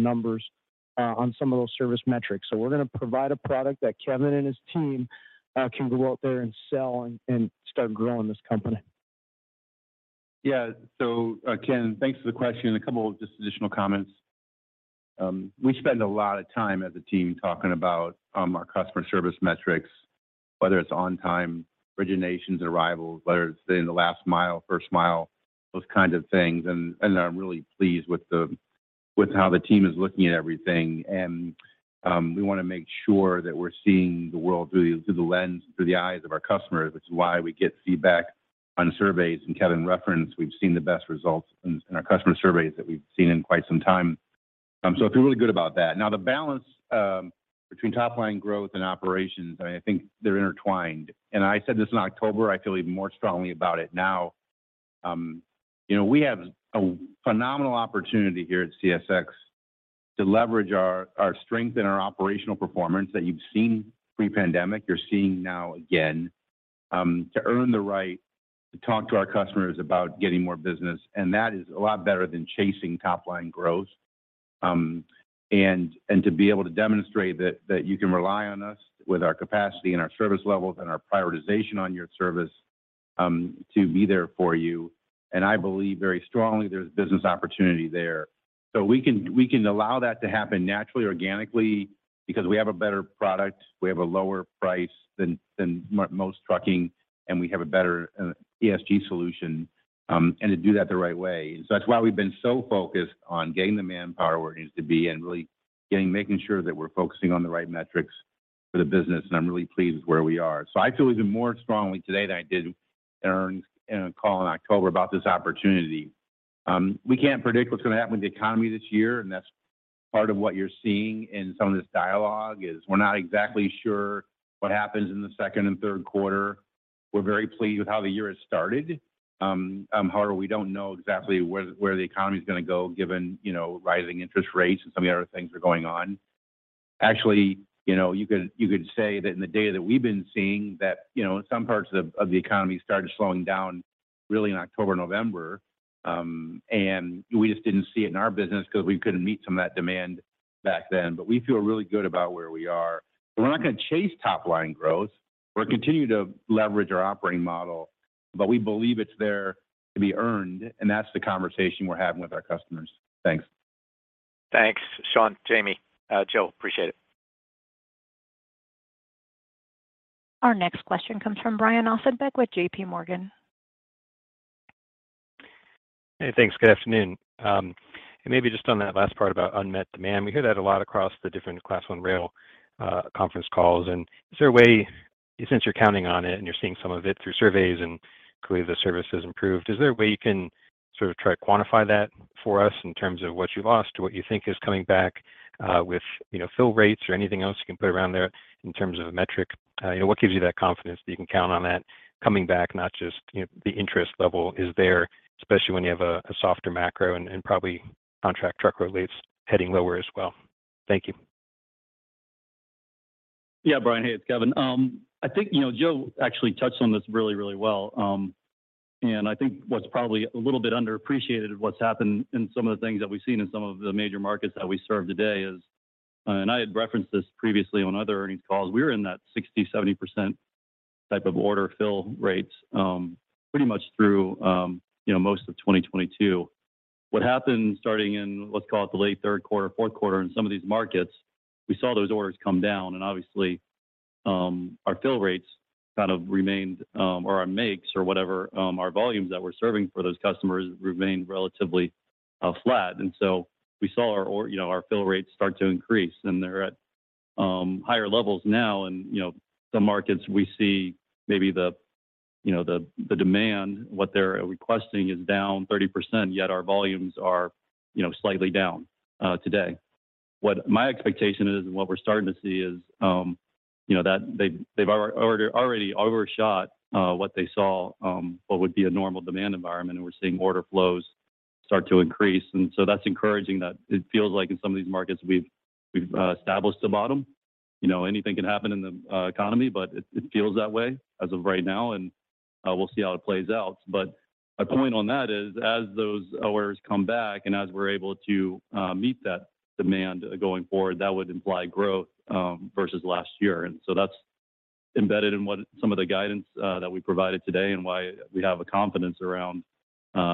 numbers on some of those service metrics. We're gonna provide a product that Kevin and his team can go out there and sell and start growing this company. Ken Hoexter, thanks for the question, and a couple of just additional comments. We spend a lot of time as a team talking about our customer service metrics, whether it's on time, originations and arrivals, whether it's in the last mile, first mile, those kinds of things. I'm really pleased with how the team is looking at everything. We want to make sure that we're seeing the world through the lens, through the eyes of our customers. It's why we get feedback on surveys. Kevin Boone reference, we've seen the best results in our customer surveys that we've seen in quite some time. I feel really good about that. Now, the balance between top line growth and operations, I mean, I think they're intertwined. I said this in October, I feel even more strongly about it now. You know, we have a phenomenal opportunity here at CSX to leverage our strength and our operational performance that you've seen pre-pandemic, you're seeing now again, to earn the right to talk to our customers about getting more business. That is a lot better than chasing top line growth. To be able to demonstrate that you can rely on us with our capacity and our service levels and our prioritization on your service, to be there for you. I believe very strongly there's business opportunity there. We can allow that to happen naturally, organically, because we have a better product, we have a lower price than most trucking, and we have a better ESG solution and to do that the right way. That's why we've been so focused on getting the manpower where it needs to be and really making sure that we're focusing on the right metrics for the business, and I'm really pleased with where we are. I feel even more strongly today than I did during a call in October about this opportunity. We can't predict what's gonna happen with the economy this year, and that's part of what you're seeing in some of this dialogue, is we're not exactly sure what happens in the second and third quarter. We're very pleased with how the year has started, however, we don't know exactly where the economy is gonna go given, you know, rising interest rates and some of the other things are going on. Actually, you know, you could say that in the data that we've been seeing that, you know, some parts of the economy started slowing down really in October, November, and we just didn't see it in our business because we couldn't meet some of that demand back then. But we feel really good about where we are. We're not gonna chase top line growth. We'll continue to leverage our operating model, but we believe it's there to be earned, and that's the conversation we're having with our customers. Thanks. Thanks, Sean, Jamie, Joe. Appreciate it. Our next question comes from Brian Ossenbeck with JPMorgan. Hey, thanks. Good afternoon. Maybe just on that last part about unmet demand, we hear that a lot across the different Class I rail conference calls. Is there a way, since you're counting on it and you're seeing some of it through surveys and clearly the service has improved, is there a way you can sort of try to quantify that for us in terms of what you lost to what you think is coming back, with, you know, fill rates or anything else you can put around there in terms of a metric? You know, what gives you that confidence that you can count on that coming back, not just, you know, the interest level is there, especially when you have a softer macro and probably contract truckload leads heading lower as well? Thank you. Yeah, Brian. Hey, it's Kevin. I think, you know, Joe actually touched on this really, really well. I think what's probably a little bit underappreciated of what's happened in some of the things that we've seen in some of the major markets that we serve today is, and I had referenced this previously on other earnings calls, we were in that 60%-70% type of order fill rates, pretty much through, you know, most of 2022. What happened starting in, let's call it the late Q3, Q4 in some of these markets, we saw those orders come down and obviously, our fill rates kind of remained, or our makes or whatever, our volumes that we're serving for those customers remained relatively flat. We saw our. you know, our fill rates start to increase, and they're at higher levels now. You know, some markets we see maybe the, you know, the demand, what they're requesting is down 30%, yet our volumes are, you know, slightly down today. What my expectation is and what we're starting to see is, you know, that they've already overshot what they saw, what would be a normal demand environment, and we're seeing order flows start to increase. That's encouraging that it feels like in some of these markets we've established a bottom. You know, anything can happen in the economy, but it feels that way as of right now, we'll see how it plays out. My point on that is as those orders come back and as we're able to meet that demand going forward, that would imply growth versus last year. That's embedded in what some of the guidance that we provided today and why we have a confidence around,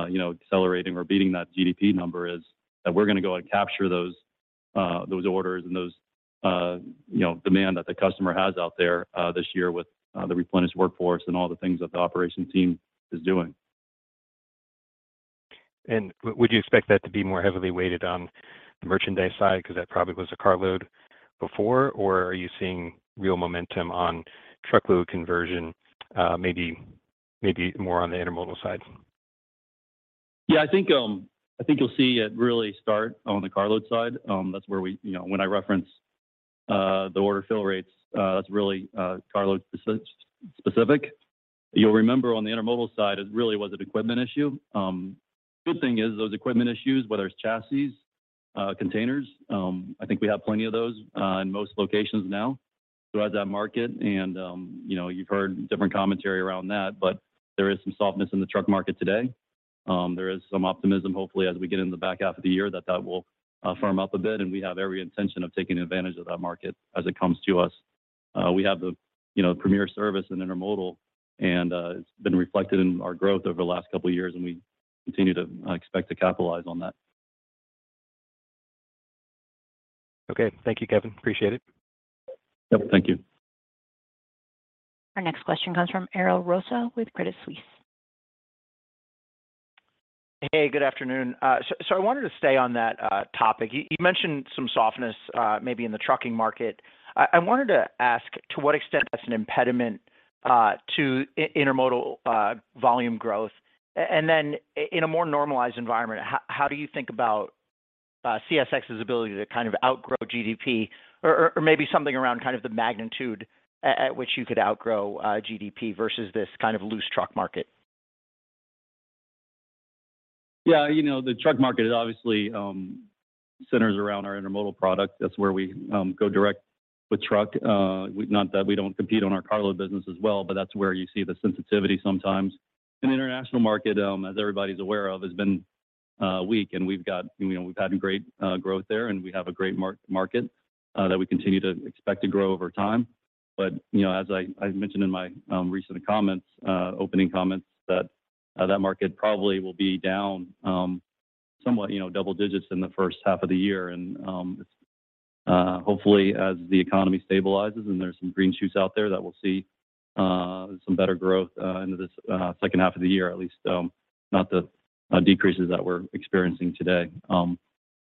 you know, accelerating or beating that GDP number is that we're gonna go and capture those orders and those, you know, demand that the customer has out there this year with the replenished workforce and all the things that the operation team is doing. Would you expect that to be more heavily weighted on the merchandise side because that probably was a carload before, or are you seeing real momentum on truckload conversion, maybe maybe more on the intermodal side. Yeah, I think, I think you'll see it really start on the carload side. That's where we. You know, when I reference the order fill rates, that's really carload specific. You'll remember on the intermodal side, it really was an equipment issue. Good thing is those equipment issues, whether it's chassis, containers, I think we have plenty of those in most locations now throughout that market. You know, you've heard different commentary around that, but there is some softness in the truck market today. There is some optimism, hopefully, as we get in the back half of the year, that that will firm up a bit, and we have every intention of taking advantage of that market as it comes to us. We have the, you know, premier service in intermodal, and it's been reflected in our growth over the last couple of years, and we continue to expect to capitalize on that. Okay. Thank you, Kevin. Appreciate it. Yep. Thank you. Our next question comes from Ariel Rosa with Credit Suisse. Hey, good afternoon. I wanted to stay on that topic. You mentioned some softness, maybe in the trucking market. I wanted to ask to what extent that's an impediment to intermodal volume growth. Then in a more normalized environment, how do you think about CSX's ability to kind of outgrow GDP or maybe something around kind of the magnitude at which you could outgrow GDP versus this kind of loose truck market? Yeah. You know, the truck market is obviously centers around our intermodal product. That's where we go direct with truck. Not that we don't compete on our carload business as well, but that's where you see the sensitivity sometimes. The international market, as everybody's aware of, has been weak, You know, we've had great growth there, and we have a great market that we continue to expect to grow over time. You know, as I mentioned in my recent comments, opening comments that that market probably will be down somewhat, you know, double digits in the first half of the year. It's. Hopefully, as the economy stabilizes and there's some green shoots out there that we'll see some better growth into this second half of the year at least, not the decreases that we're experiencing today.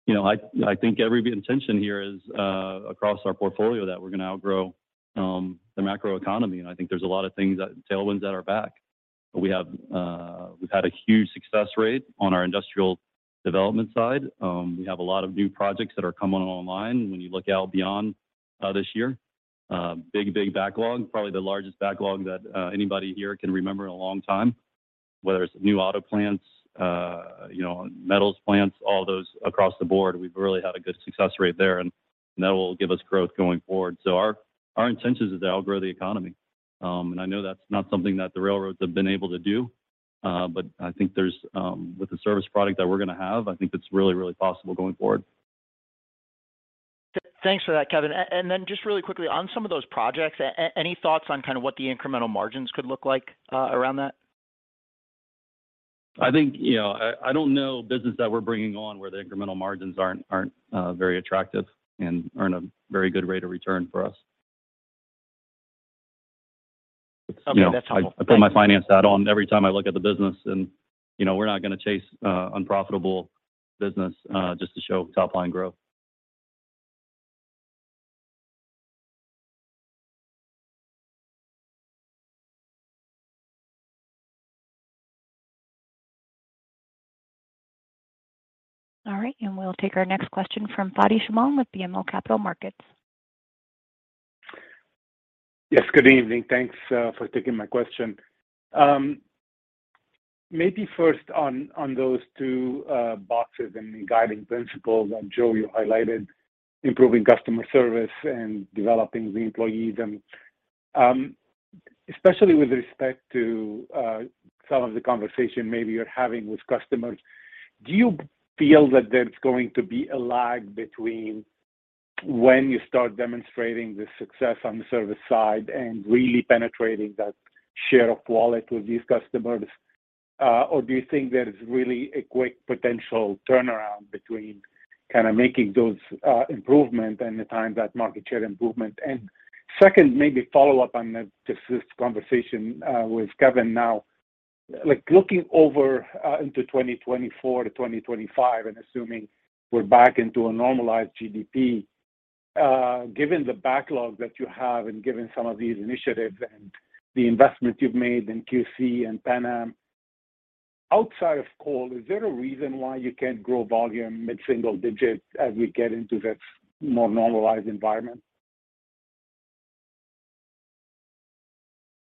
You know, I think every intention here is across our portfolio that we're gonna outgrow the macroeconomy, and I think there's a lot of things that tailwinds at our back. We have, we've had a huge success rate on our industrial development side. We have a lot of new projects that are coming online when you look out beyond this year. Big, big backlog, probably the largest backlog that anybody here can remember in a long time, whether it's new auto plants, you know, metals plants, all those across the board. We've really had a good success rate there, and that will give us growth going forward. Our intention is to outgrow the economy. I know that's not something that the railroads have been able to do, I think with the service product that we're gonna have, I think it's really possible going forward. Thanks for that, Kevin. Then just really quickly, on some of those projects, any thoughts on kind of what the incremental margins could look like, around that? I think, you know, I don't know business that we're bringing on where the incremental margins aren't very attractive and earn a very good rate of return for us. You know, I put my finance hat on every time I look at the business, you know, we're not gonna chase unprofitable business just to show top line growth. All right. We'll take our next question from Fadi Chamoun with BMO Capital Markets. Yes, good evening. Thanks for taking my question. Maybe first on those two boxes and guiding principles that, Joe, you highlighted, improving customer service and developing the employees. Especially with respect to some of the conversation maybe you're having with customers, do you feel that there's going to be a lag between when you start demonstrating the success on the service side and really penetrating that share of wallet with these customers? Or do you think there is really a quick potential turnaround between kind of making those improvement and the time that market share improvement? Second, maybe follow up on just this conversation with Kevin now. Like, looking over, into 2024 to 2025 and assuming we're back into a normalized GDP, given the backlog that you have and given some of these initiatives and the investments you've made in QC and Pan Am, outside of coal, is there a reason why you can't grow volume mid-single digits as we get into this more normalized environment?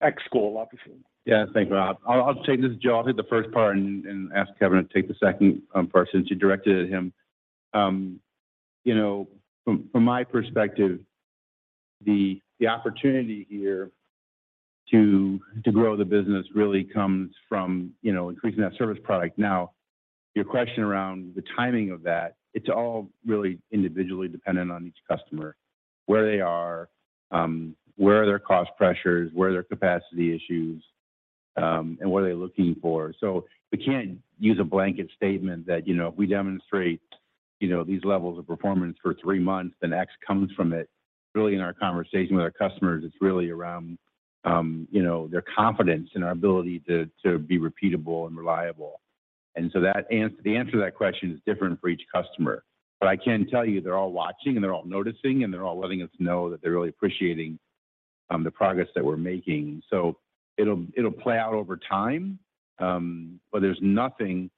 Ex coal, obviously. Thanks, Rob. I'll take this. Joe, I'll hit the first part and ask Kevin to take the second part since you directed it at him. You know, from my perspective, the opportunity here to grow the business really comes from, you know, increasing that service product. Your question around the timing of that, it's all really individually dependent on each customer, where they are, where are their cost pressures, where are their capacity issues, and what are they looking for. We can't use a blanket statement that, you know, if we demonstrate, you know, these levels of performance for three months, then X comes from it. Really in our conversation with our customers, it's really around, you know, their confidence in our ability to be repeatable and reliable. The answer to that question is different for each customer. I can tell you they're all watching, and they're all noticing, and they're all letting us know that they're really appreciating the progress that we're making. It'll, it'll play out over time, there's nothing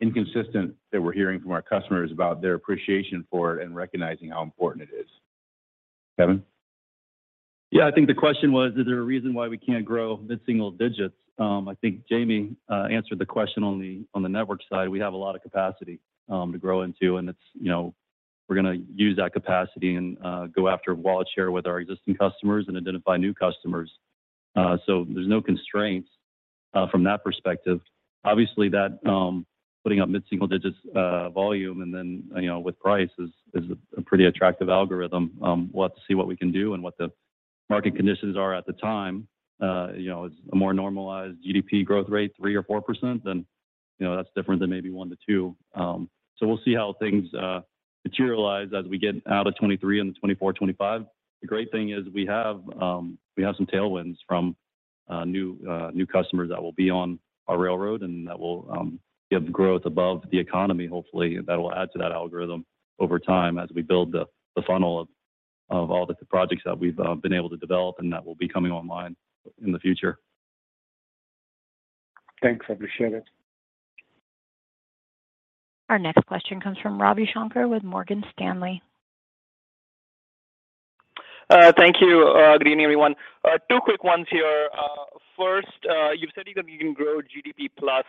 inconsistent that we're hearing from our customers about their appreciation for it and recognizing how important it is. Kevin? Yeah. I think the question was, is there a reason why we can't grow mid-single digits? I think Jamie answered the question on the network side. We have a lot of capacity to grow into, and it's, you know, we're gonna use that capacity and go after wallet share with our existing customers and identify new customers. There's no constraints from that perspective. Obviously, that putting up mid-single digits volume and then, you know, with price is a pretty attractive algorithm. We'll have to see what we can do and what the market conditions are at the time. You know, it's a more normalized GDP growth rate, 3% or 4%, then, you know, that's different than maybe 1% to 2%. We'll see how things materialize as we get out of 2023 into 2024, 2025. The great thing is we have some tailwinds from new customers that will be on our railroad, and that will give growth above the economy, hopefully, that will add to that algorithm over time as we build the funnel of all the projects that we've been able to develop, and that will be coming online in the future. Thanks. I appreciate it. Our next question comes from Ravi Shanker with Morgan Stanley. Thank you. Good evening, everyone. Two quick ones here. First, you've said you can grow GDP plus.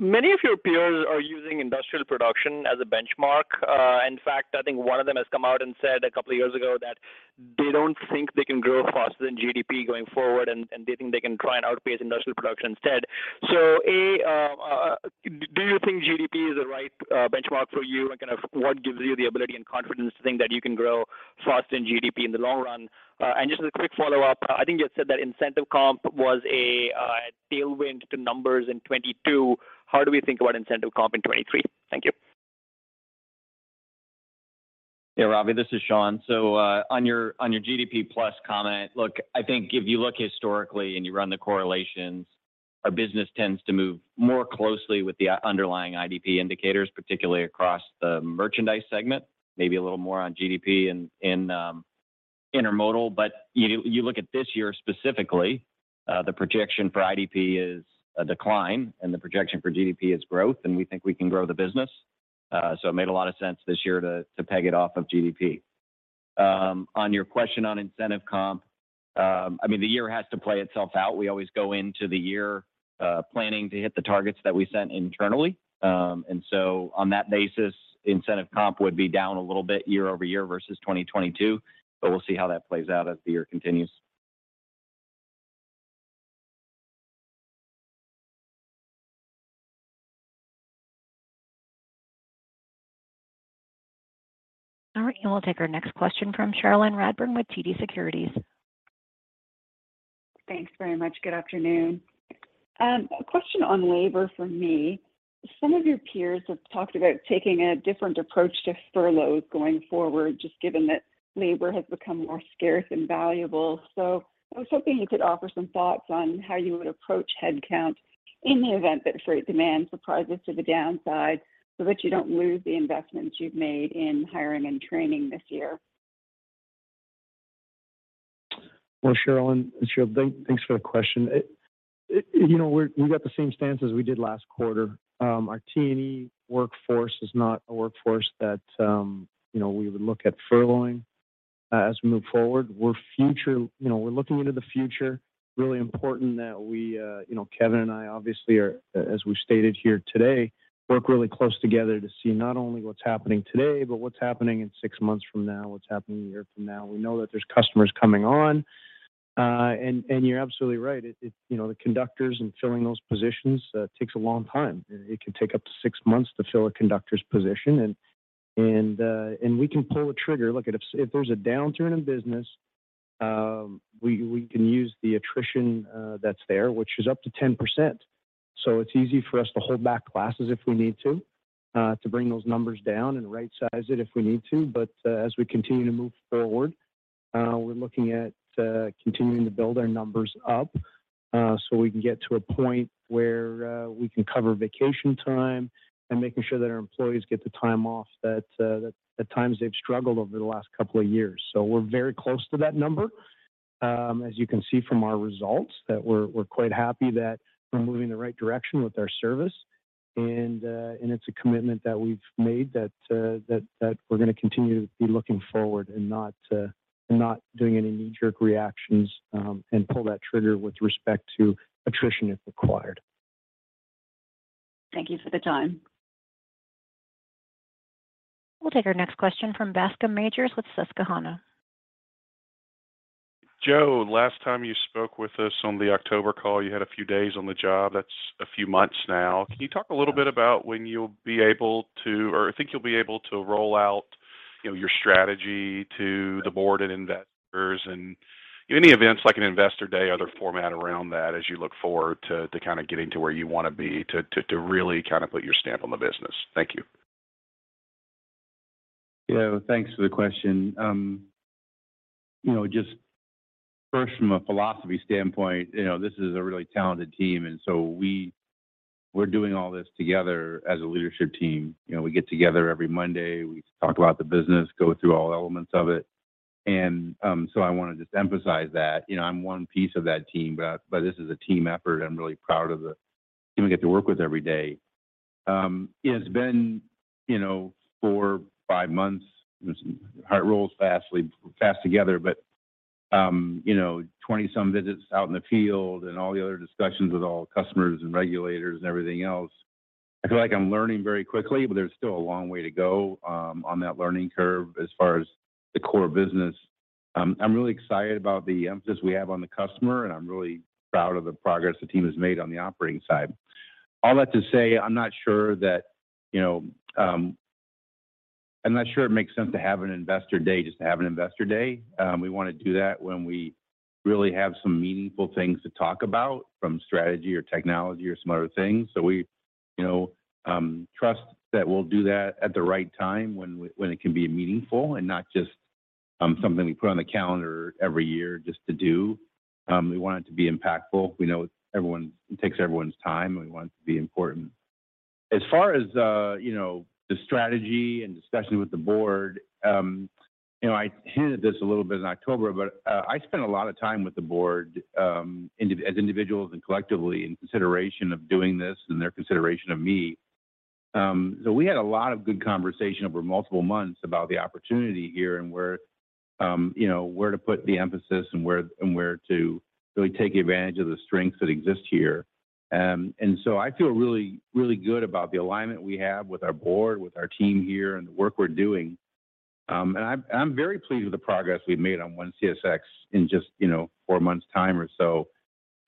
Many of your peers are using industrial production as a benchmark. In fact, I think one of them has come out and said a couple of years ago that they don't think they can grow faster than GDP going forward, and they think they can try and outpace industrial production instead. A, do you think GDP is the right benchmark for you? And kind of what gives you the ability and confidence to think that you can grow faster than GDP in the long run? Just as a quick follow-up, I think you had said that incentive comp was a tailwind to numbers in 2022. How do we think about incentive comp in 2023?Thank you. Ravi, this is Sean. On your, on your GDP plus comment, look, I think if you look historically and you run the correlations, our business tends to move more closely with the underlying IDP indicators, particularly across the merchandise segment, maybe a little more on GDP in intermodal. You look at this year specifically, the projection for IDP is a decline, and the projection for GDP is growth, and we think we can grow the business. It made a lot of sense this year to peg it off of GDP. On your question on incentive comp, I mean, the year has to play itself out. We always go into the year, planning to hit the targets that we set internally. On that basis, incentive comp would be down a little bit year-over-year versus 2022, but we'll see how that plays out as the year continues. All right. We'll take our next question from Cherilyn Radbourne with TD Securities. Thanks very much. Good afternoon. A question on labor from me. Some of your peers have talked about taking a different approach to furloughs going forward, just given that labor has become more scarce and valuable. I was hoping you could offer some thoughts on how you would approach headcount in the event that freight demand surprises to the downside so that you don't lose the investments you've made in hiring and training this year. Well, Cherilyn, it's Joe. Thanks for the question. It, you know, we got the same stance as we did last quarter. Our T&E workforce is not a workforce that, you know, we would look at furloughing as we move forward. You know, we're looking into the future. Really important that we, you know, Kevin and I obviously are, as we stated here today, work really close together to see not only what's happening today, but what's happening in six months from now, what's happening one year from now. We know that there's customers coming on. You're absolutely right. It, you know, the conductors and filling those positions takes a long time. It can take up to 6 months to fill a conductor's position. We can pull the trigger. Look, if there's a downturn in business, we can use the attrition that's there, which is up to 10%. It's easy for us to hold back classes if we need to to bring those numbers down and rightsize it if we need to. As we continue to move forward, we're looking at continuing to build our numbers up so we can get to a point where we can cover vacation time and making sure that our employees get the time off that at times they've struggled over the last couple of years. We're very close to that number. As you can see from our results, that we're quite happy that we're moving in the right direction with our service. It's a commitment that we've made that we're gonna continue to be looking forward and not doing any knee-jerk reactions, and pull that trigger with respect to attrition if required. Thank you for the time. We'll take our next question from Bascome Majors with Susquehanna. Joe, last time you spoke with us on the October call, you had a few days on the job. That's a few months now. Can you talk a little bit about when or I think you'll be able to roll out, you know, your strategy to the board and investors, and any events like an investor day, other format around that as you look forward to kinda getting to where you wanna be to really kinda put your stamp on the business? Thank you. Yeah. Thanks for the question. You know, just first from a philosophy standpoint, you know, this is a really talented team, we're doing all this together as a leadership team. You know, we get together every Monday, we talk about the business, go through all elements of it. I want to just emphasize that, you know, I'm one piece of that team, but this is a team effort I'm really proud of the team I get to work with every day. It's been, you know, four, five months. Time rolls fast together, but, you know, 20 some visits out in the field and all the other discussions with all customers and regulators and everything else. I feel like I'm learning very quickly, but there's still a long way to go on that learning curve as far as the core business. I'm really excited about the emphasis we have on the customer, and I'm really proud of the progress the team has made on the operating side. All that to say, I'm not sure that, you know, I'm not sure it makes sense to have an investor day just to have an investor day. We wanna do that when we really have some meaningful things to talk about from strategy or technology or some other things. We, you know, trust that we'll do that at the right time when it can be meaningful and not just something we put on the calendar every year just to do. We want it to be impactful. We know everyone it takes everyone's time, we want it to be important. As far as, you know, the strategy and discussion with the board, you know, I hinted this a little bit in October, I spent a lot of time with the board as individuals and collectively in consideration of doing this and their consideration of me. We had a lot of good conversation over multiple months about the opportunity here and where, you know, where to put the emphasis and where to really take advantage of the strengths that exist here. I feel really, really good about the alignment we have with our board, with our team here, and the work we're doing. I'm very pleased with the progress we've made on ONE CSX in just, you know, four months time or so.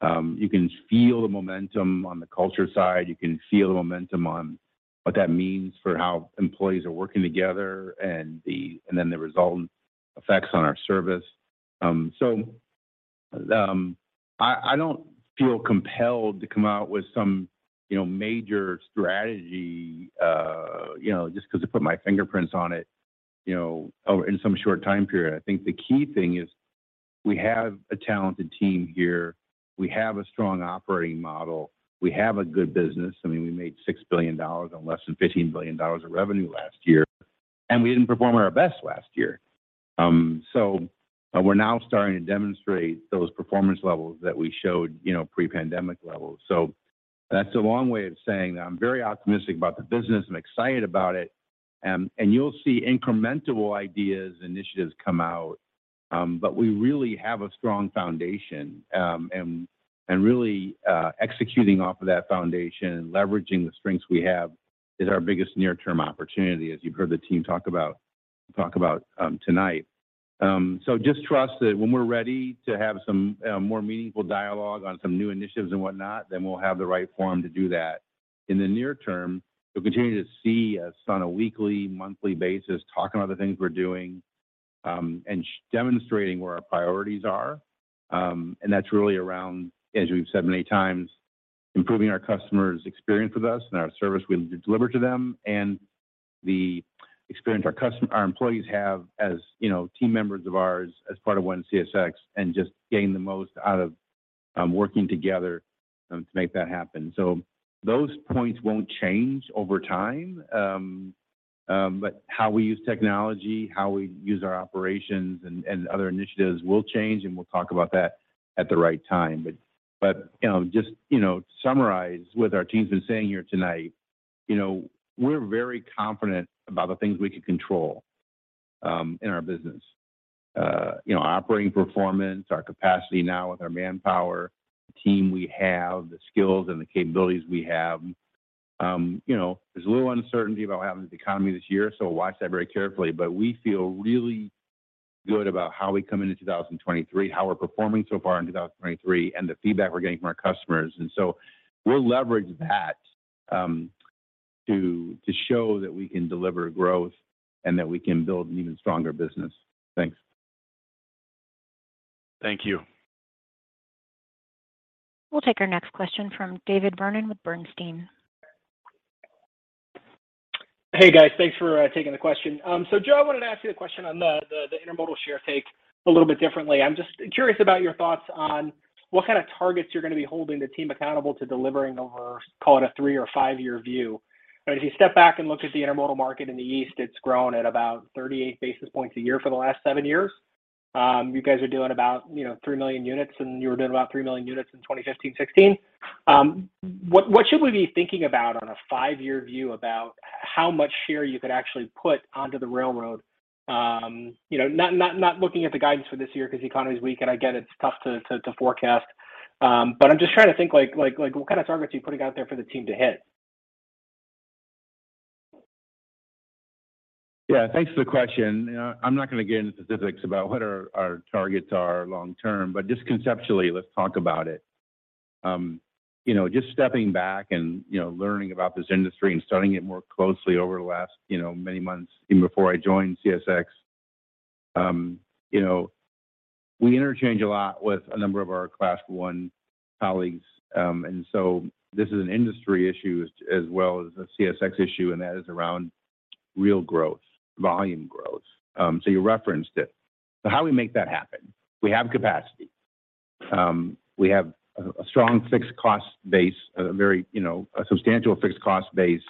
You can feel the momentum on the culture side, you can feel the momentum on what that means for how employees are working together and then the result effects on our service. I don't feel compelled to come out with some, you know, major strategy, you know, just 'cause I put my fingerprints on it, you know, over in some short time period. I think the key thing is we have a talented team here. We have a strong operating model. We have a good business. I mean, we made $6 billion on less than $15 billion of revenue last year, and we didn't perform our best last year. We're now starting to demonstrate those performance levels that we showed, you know, pre-pandemic levels. That's a long way of saying that I'm very optimistic about the business. I'm excited about it. You'll see incremental ideas and initiatives come out. We really have a strong foundation, and really executing off of that foundation and leveraging the strengths we have is our biggest near term opportunity, as you've heard the team talk about tonight. Just trust that when we're ready to have some more meaningful dialogue on some new initiatives and whatnot, we'll have the right forum to do that. In the near term, you'll continue to see us on a weekly, monthly basis talking about the things we're doing, demonstrating where our priorities are. That's really around, as we've said many times, improving our customers' experience with us and our service we deliver to them and the experience our employees have as, you know, team members of ours as part of ONE CSX, and just getting the most out of working together to make that happen. Those points won't change over time, but how we use technology, how we use our operations and other initiatives will change, and we'll talk about that at the right time. You know, just, you know, summarize what our team's been saying here tonight, you know, we're very confident about the things we can control in our business. You know, operating performance, our capacity now with our manpower, the team we have, the skills and the capabilities we have. You know, there's a little uncertainty about what happens with the economy this year. Watch that very carefully. We feel really good about how we come into 2023, how we're performing so far in 2023, and the feedback we're getting from our customers. We'll leverage that to show that we can deliver growth and that we can build an even stronger business. Thanks. Thank you. We'll take our next question from David Vernon with Bernstein. Hey, guys. Thanks for taking the question. Joe, I wanted to ask you a question on the intermodal share take a little bit differently. I'm just curious about your thoughts on what kind of targets you're gonna be holding the team accountable to delivering over, call it a three or five-year view. If you step back and look at the intermodal market in the east, it's grown at about 38 basis points a year for the last seven years. You guys are doing about, you know, three million units, and you were doing about three million units in 2015, 2016. What should we be thinking about on a five-year view about how much share you could actually put onto the railroad? You know, not looking at the guidance for this year because the economy is weak, I get it's tough to forecast. I'm just trying to think like what kind of targets you're putting out there for the team to hit. Yeah. Thanks for the question. You know, I'm not gonna get into specifics about what our targets are long term, but just conceptually, let's talk about it. You know, just stepping back and, you know, learning about this industry and studying it more closely over the last, you know, many months, even before I joined CSX. You know, we interchange a lot with a number of our Class I colleagues. This is an industry issue as well as a CSX issue, and that is around real growth, volume growth. You referenced it. How do we make that happen? We have capacity. We have a strong fixed cost base, a very, you know, a substantial fixed cost base,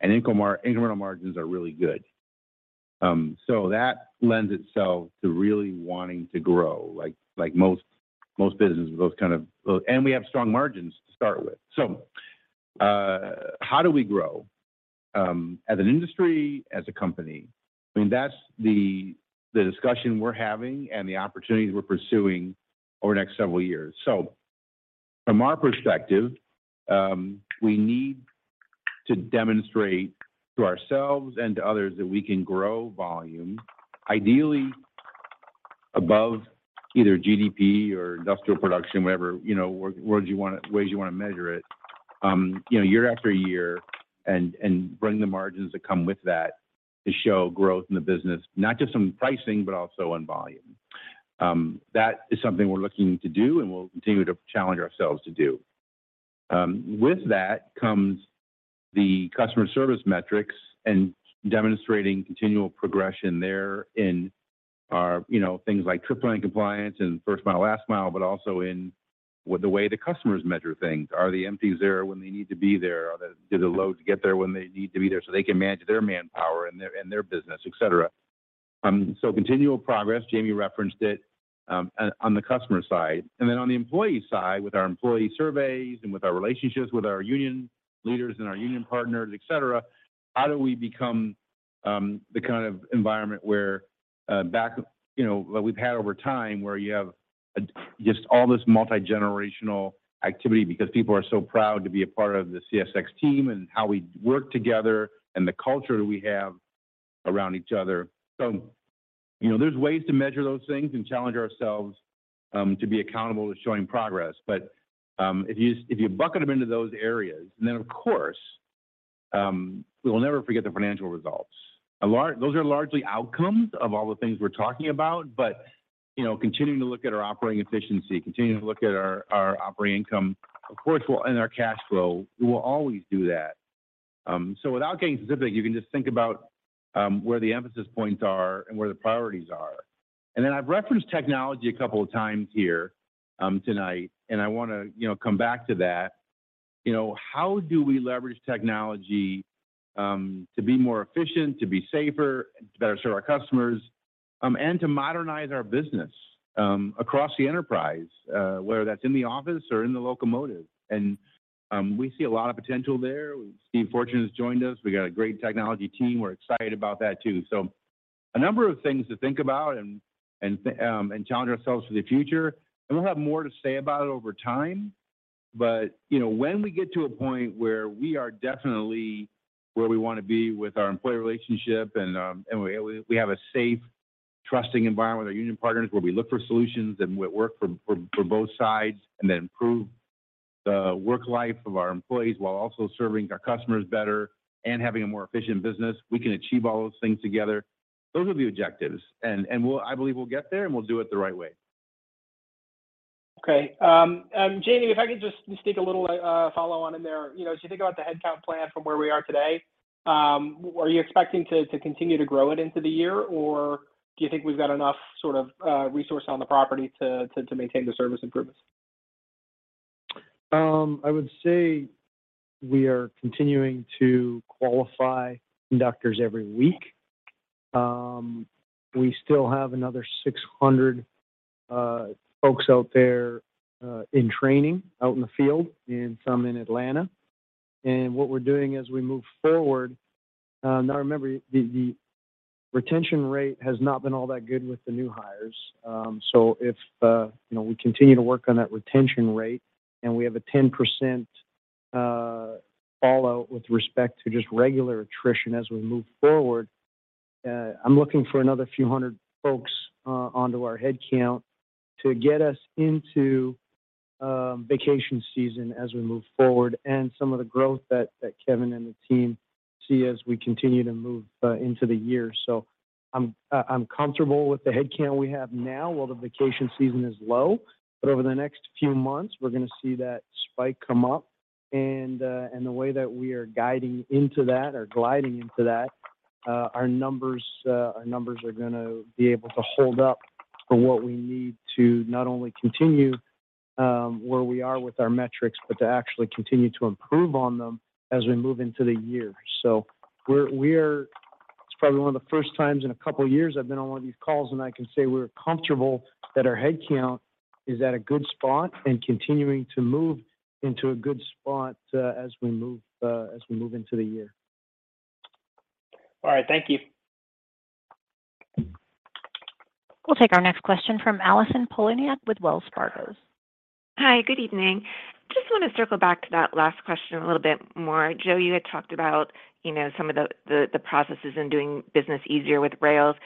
and incremental margins are really good. That lends itself to really wanting to grow, like most businesses with those kind of... We have strong margins to start with. How do we grow as an industry, as a company? I mean, that's the discussion we're having and the opportunities we're pursuing over the next several years. From our perspective, we need to demonstrate to ourselves and to others that we can grow volume, ideally above either GDP or industrial production, whatever, you know, ways you wanna measure it, you know, year after year and bring the margins that come with that to show growth in the business, not just on pricing, but also on volume. That is something we're looking to do and we'll continue to challenge ourselves to do. With that comes the customer service metrics and demonstrating continual progression there in our, you know, things like Trip Plan Compliance and first mile, last mile, but also in the way the customers measure things. Are the empties there when they need to be there? Do the loads get there when they need to be there so they can manage their manpower and their business, et cetera. Continual progress, Jamie referenced it, on the customer side. On the employee side, with our employee surveys and with our relationships with our union leaders and our union partners, et cetera, how do we become the kind of environment where, back, you know, what we've had over time, where you have just all this multi-generational activity because people are so proud to be a part of the CSX team and how we work together and the culture we have around each other. You know, there's ways to measure those things and challenge ourselves to be accountable to showing progress. If you bucket them into those areas. Of course, we'll never forget the financial results. Those are largely outcomes of all the things we're talking about, you know, continuing to look at our operating efficiency, continuing to look at our operating income, of course, we'll. Our cash flow, we will always do that. Without getting specific, you can just think about where the emphasis points are and where the priorities are. I've referenced technology a couple of times here tonight, I wanna, you know, come back to that. You know, how do we leverage technology to be more efficient, to be safer, to better serve our customers, and to modernize our business across the enterprise, whether that's in the office or in the locomotive. We see a lot of potential there. Steve Fortune has joined us. We got a great technology team. We're excited about that too. A number of things to think about and challenge ourselves for the future. We'll have more to say about it over time. You know, when we get to a point where we are definitely where we wanna be with our employee relationship and we have a safe, trusting environment with our union partners, where we look for solutions and work for both sides, and then improve the work life of our employees while also serving our customers better and having a more efficient business, we can achieve all those things together. Those are the objectives and I believe we'll get there, and we'll do it the right way. Okay. Jamie, if I could just stick a little follow on in there. You know, as you think about the headcount plan from where we are today, are you expecting to continue to grow it into the year, or do you think we've got enough sort of resource on the property to maintain the service improvements? I would say we are continuing to qualify conductors every week. We still have another 600 folks out there in training out in the field and some in Atlanta. What we're doing as we move forward, now remember the retention rate has not been all that good with the new hires. If, you know, we continue to work on that retention rate and we have a 10% fallout with respect to just regular attrition as we move forward, I'm looking for another few hundred folks onto our headcount to get us into vacation season as we move forward and some of the growth that Kevin and the team see as we continue to move into the year. I'm comfortable with the headcount we have now while the vacation season is low. Over the next few months, we're gonna see that spike come up, and the way that we are guiding into that or gliding into that, our numbers are gonna be able to hold up for what we need to not only continue where we are with our metrics, but to actually continue to improve on them as we move into the year. It's probably one of the first times in a couple of years I've been on one of these calls, and I can say we're comfortable that our headcount is at a good spot and continuing to move into a good spot as we move as we move into the year. All right. Thank you. We'll take our next question from Allison Poliniak-Cusic with Wells Fargo. Hi, good evening. Just wanna circle back to that last question a little bit more. Joe, you had talked about, you know, some of the processes in doing business easier with rails.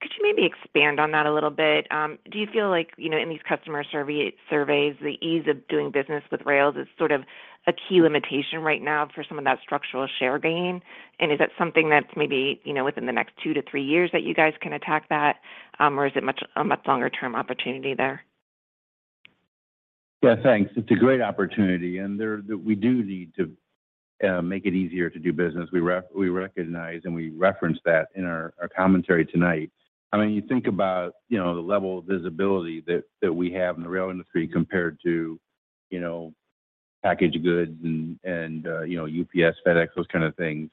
Could you maybe expand on that a little bit? Do you feel like, you know, in these customer surveys, the ease of doing business with rails is sort of a key limitation right now for some of that structural share gain? Is that something that's maybe, you know, within the next two to three years that you guys can attack that? Is it a much longer term opportunity there? Yeah. Thanks. It's a great opportunity. We do need to make it easier to do business. We recognize, and we referenced that in our commentary tonight. I mean, you think about, you know, the level of visibility that we have in the rail industry compared to, you know, package goods and, you know, UPS, FedEx, those kind of things.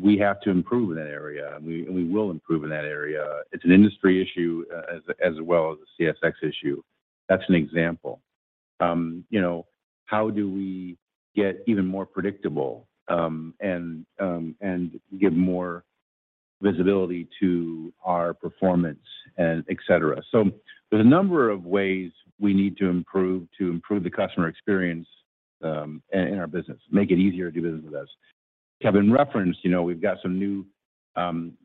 We have to improve in that area, and we will improve in that area. It's an industry issue as well as a CSX issue. That's an example. You know, how do we get even more predictable, and give more visibility to our performance and et cetera? There's a number of ways we need to improve to improve the customer experience in our business, make it easier to do business with us. Kevin referenced, you know, we've got some new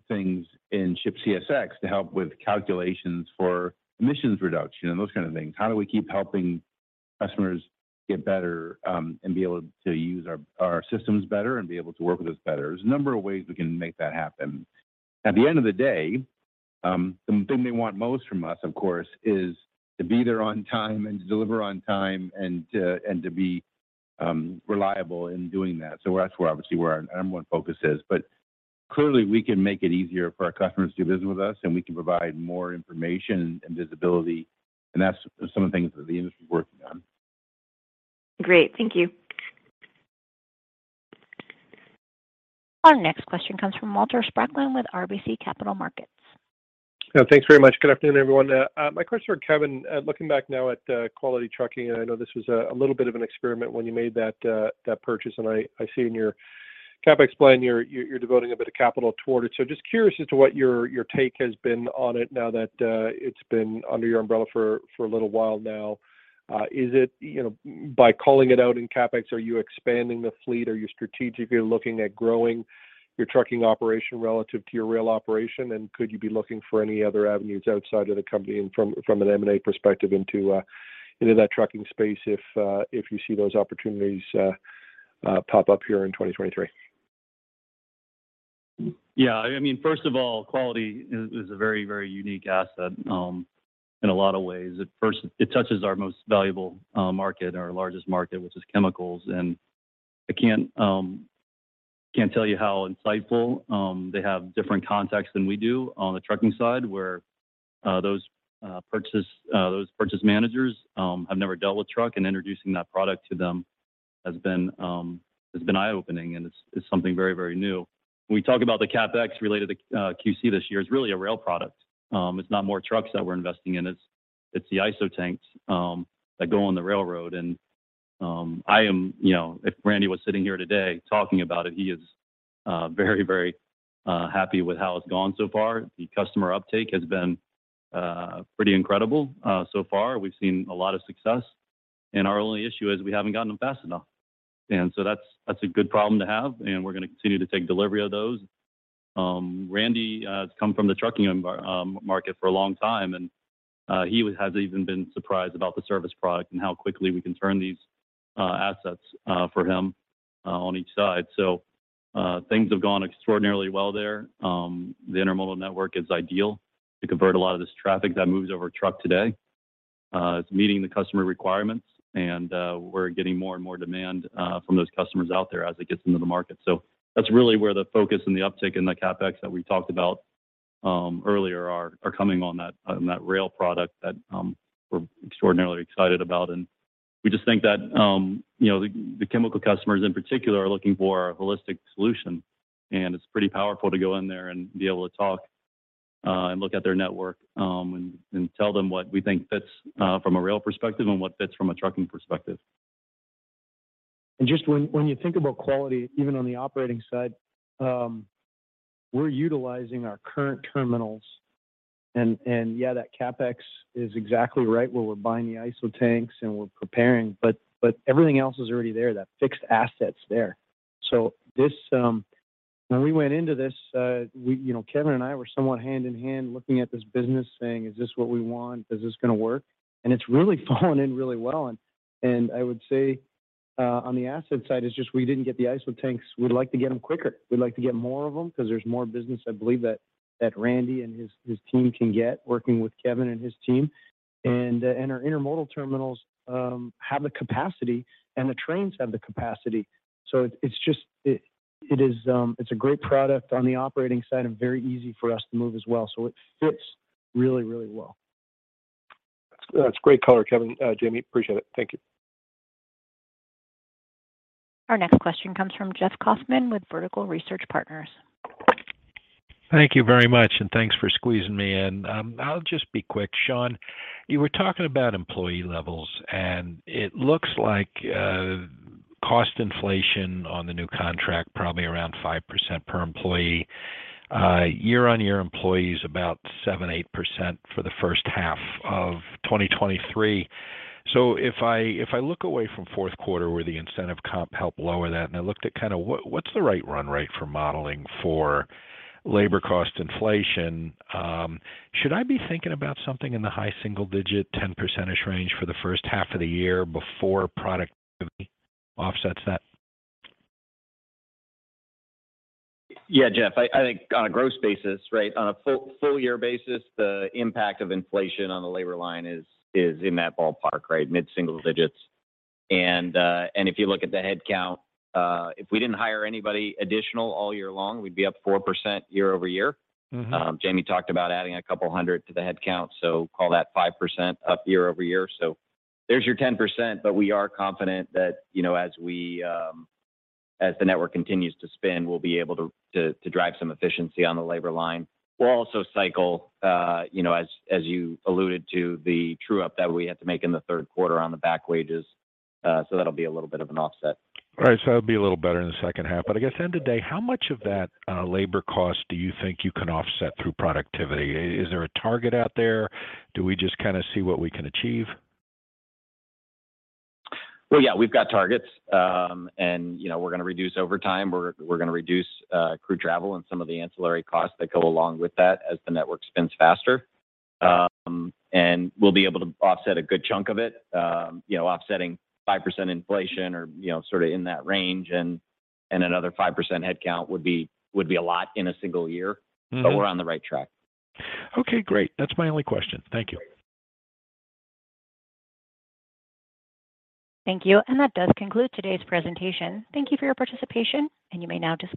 things in ShipCSX to help with calculations for emissions reduction and those kind of things. How do we keep helping customers get better and be able to use our systems better and be able to work with us better? There's a number of ways we can make that happen. At the end of the day, the thing they want most from us, of course, is to be there on time and to deliver on time and to be reliable in doing that. That's where obviously where our number one focus is. Clearly, we can make it easier for our customers to do business with us, and we can provide more information and visibility, and that's some of the things that the industry is working on. Great. Thank you. Our next question comes from Walter Spracklen with RBC Capital Markets. Yeah, thanks very much. Good afternoon, everyone. My question for Kevin, looking back now at Quality Carriers, and I know this was a little bit of an experiment when you made that purchase, and I see in your CapEx plan you're devoting a bit of capital toward it. Just curious as to what your take has been on it now that it's been under your umbrella for a little while now. You know, by calling it out in CapEx, are you expanding the fleet? Are you strategically looking at growing your trucking operation relative to your rail operation? Could you be looking for any other avenues outside of the company and from an M&A perspective into that trucking space if you see those opportunities pop up here in 2023? I mean, first of all, Quality is a very, very unique asset in a lot of ways. At first, it touches our most valuable market, our largest market, which is chemicals. I can't tell you how insightful. They have different contacts than we do on the trucking side where those purchase managers have never dealt with truck, and introducing that product to them has been eye-opening, and it's something very, very new. When we talk about the CapEx related to QC this year, it's really a rail product. It's not more trucks that we're investing in. It's the ISO tanks that go on the railroad. I am... You know, if Randy was sitting here today talking about it, he is very, very happy with how it's gone so far. The customer uptake has been pretty incredible. So far, we've seen a lot of success, and our only issue is we haven't gotten them fast enough. That's a good problem to have, and we're gonna continue to take delivery of those. Randy has come from the trucking market for a long time, and he has even been surprised about the service product and how quickly we can turn these assets for him on each side. Things have gone extraordinarily well there. The intermodal network is ideal to convert a lot of this traffic that moves over truck today. It's meeting the customer requirements, and we're getting more and more demand from those customers out there as it gets into the market. That's really where the focus and the uptick in the CapEx that we talked about earlier are coming on that, on that rail product that we're extraordinarily excited about. We just think that, you know, the chemical customers in particular are looking for a holistic solution, and it's pretty powerful to go in there and be able to talk and look at their network and tell them what we think fits from a rail perspective and what fits from a trucking perspective. Just when you think about quality, even on the operating side, we're utilizing our current terminals and yeah, that CapEx is exactly right where we're buying the ISO tanks, and we're preparing. Everything else is already there. That fixed asset's there. This. When we went into this, you know, Kevin and I were somewhat hand in hand looking at this business saying, "Is this what we want? Is this gonna work?" It's really fallen in really well. I would say, on the asset side, it's just we didn't get the ISO tanks. We'd like to get them quicker. We'd like to get more of them because there's more business, I believe that Randy and his team can get working with Kevin and his team. Our intermodal terminals have the capacity, and the trains have the capacity. It's a great product on the operating side and very easy for us to move as well. It fits really, really well. That's great color, Kevin, Jamie. Appreciate it. Thank you. Our next question comes from Jeff Kauffman with Vertical Research Partners. Thank you very much, thanks for squeezing me in. I'll just be quick. Sean, you were talking about employee levels, and it looks like cost inflation on the new contract probably around 5% per employee. Year-on-year employees about 7%-8% for the first half of 2023. If I look away from Q4 where the incentive comp helped lower that, and I looked at kind of what's the right run rate for modeling for labor cost inflation, should I be thinking about something in the high single digit, 10% range for the first half of the year before productivity offsets that? Yeah. Jeff, I think on a gross basis, right, on a full year basis, the impact of inflation on the labor line is in that ballpark, right? Mid-single digits. If you look at the headcount, if we didn't hire anybody additional all year long, we'd be up 4% year-over-year. Mm-hmm. Jamie talked about adding 200 to the headcount, so call that 5% up year-over-year. There's your 10%, but we are confident that, you know, as we, as the network continues to spin, we'll be able to drive some efficiency on the labor line. We'll also cycle, you know, as you alluded to, the true up that we had to make in the third quarter on the back wages. That'll be a little bit of an offset. All right. It'll be a little better in the second half. I guess end of day, how much of that labor cost do you think you can offset through productivity? Is there a target out there? Do we just kinda see what we can achieve? Well, yeah, we've got targets. You know, we're gonna reduce overtime. We're gonna reduce crew travel and some of the ancillary costs that go along with that as the network spins faster. We'll be able to offset a good chunk of it, you know, offsetting 5% inflation or, you know, sort of in that range and another 5% headcount would be a lot in a single year. Mm-hmm. We're on the right track. Okay, great. That's my only question. Thank you. Thank you. That does conclude today's presentation. Thank you for your participation, and you may now disconnect.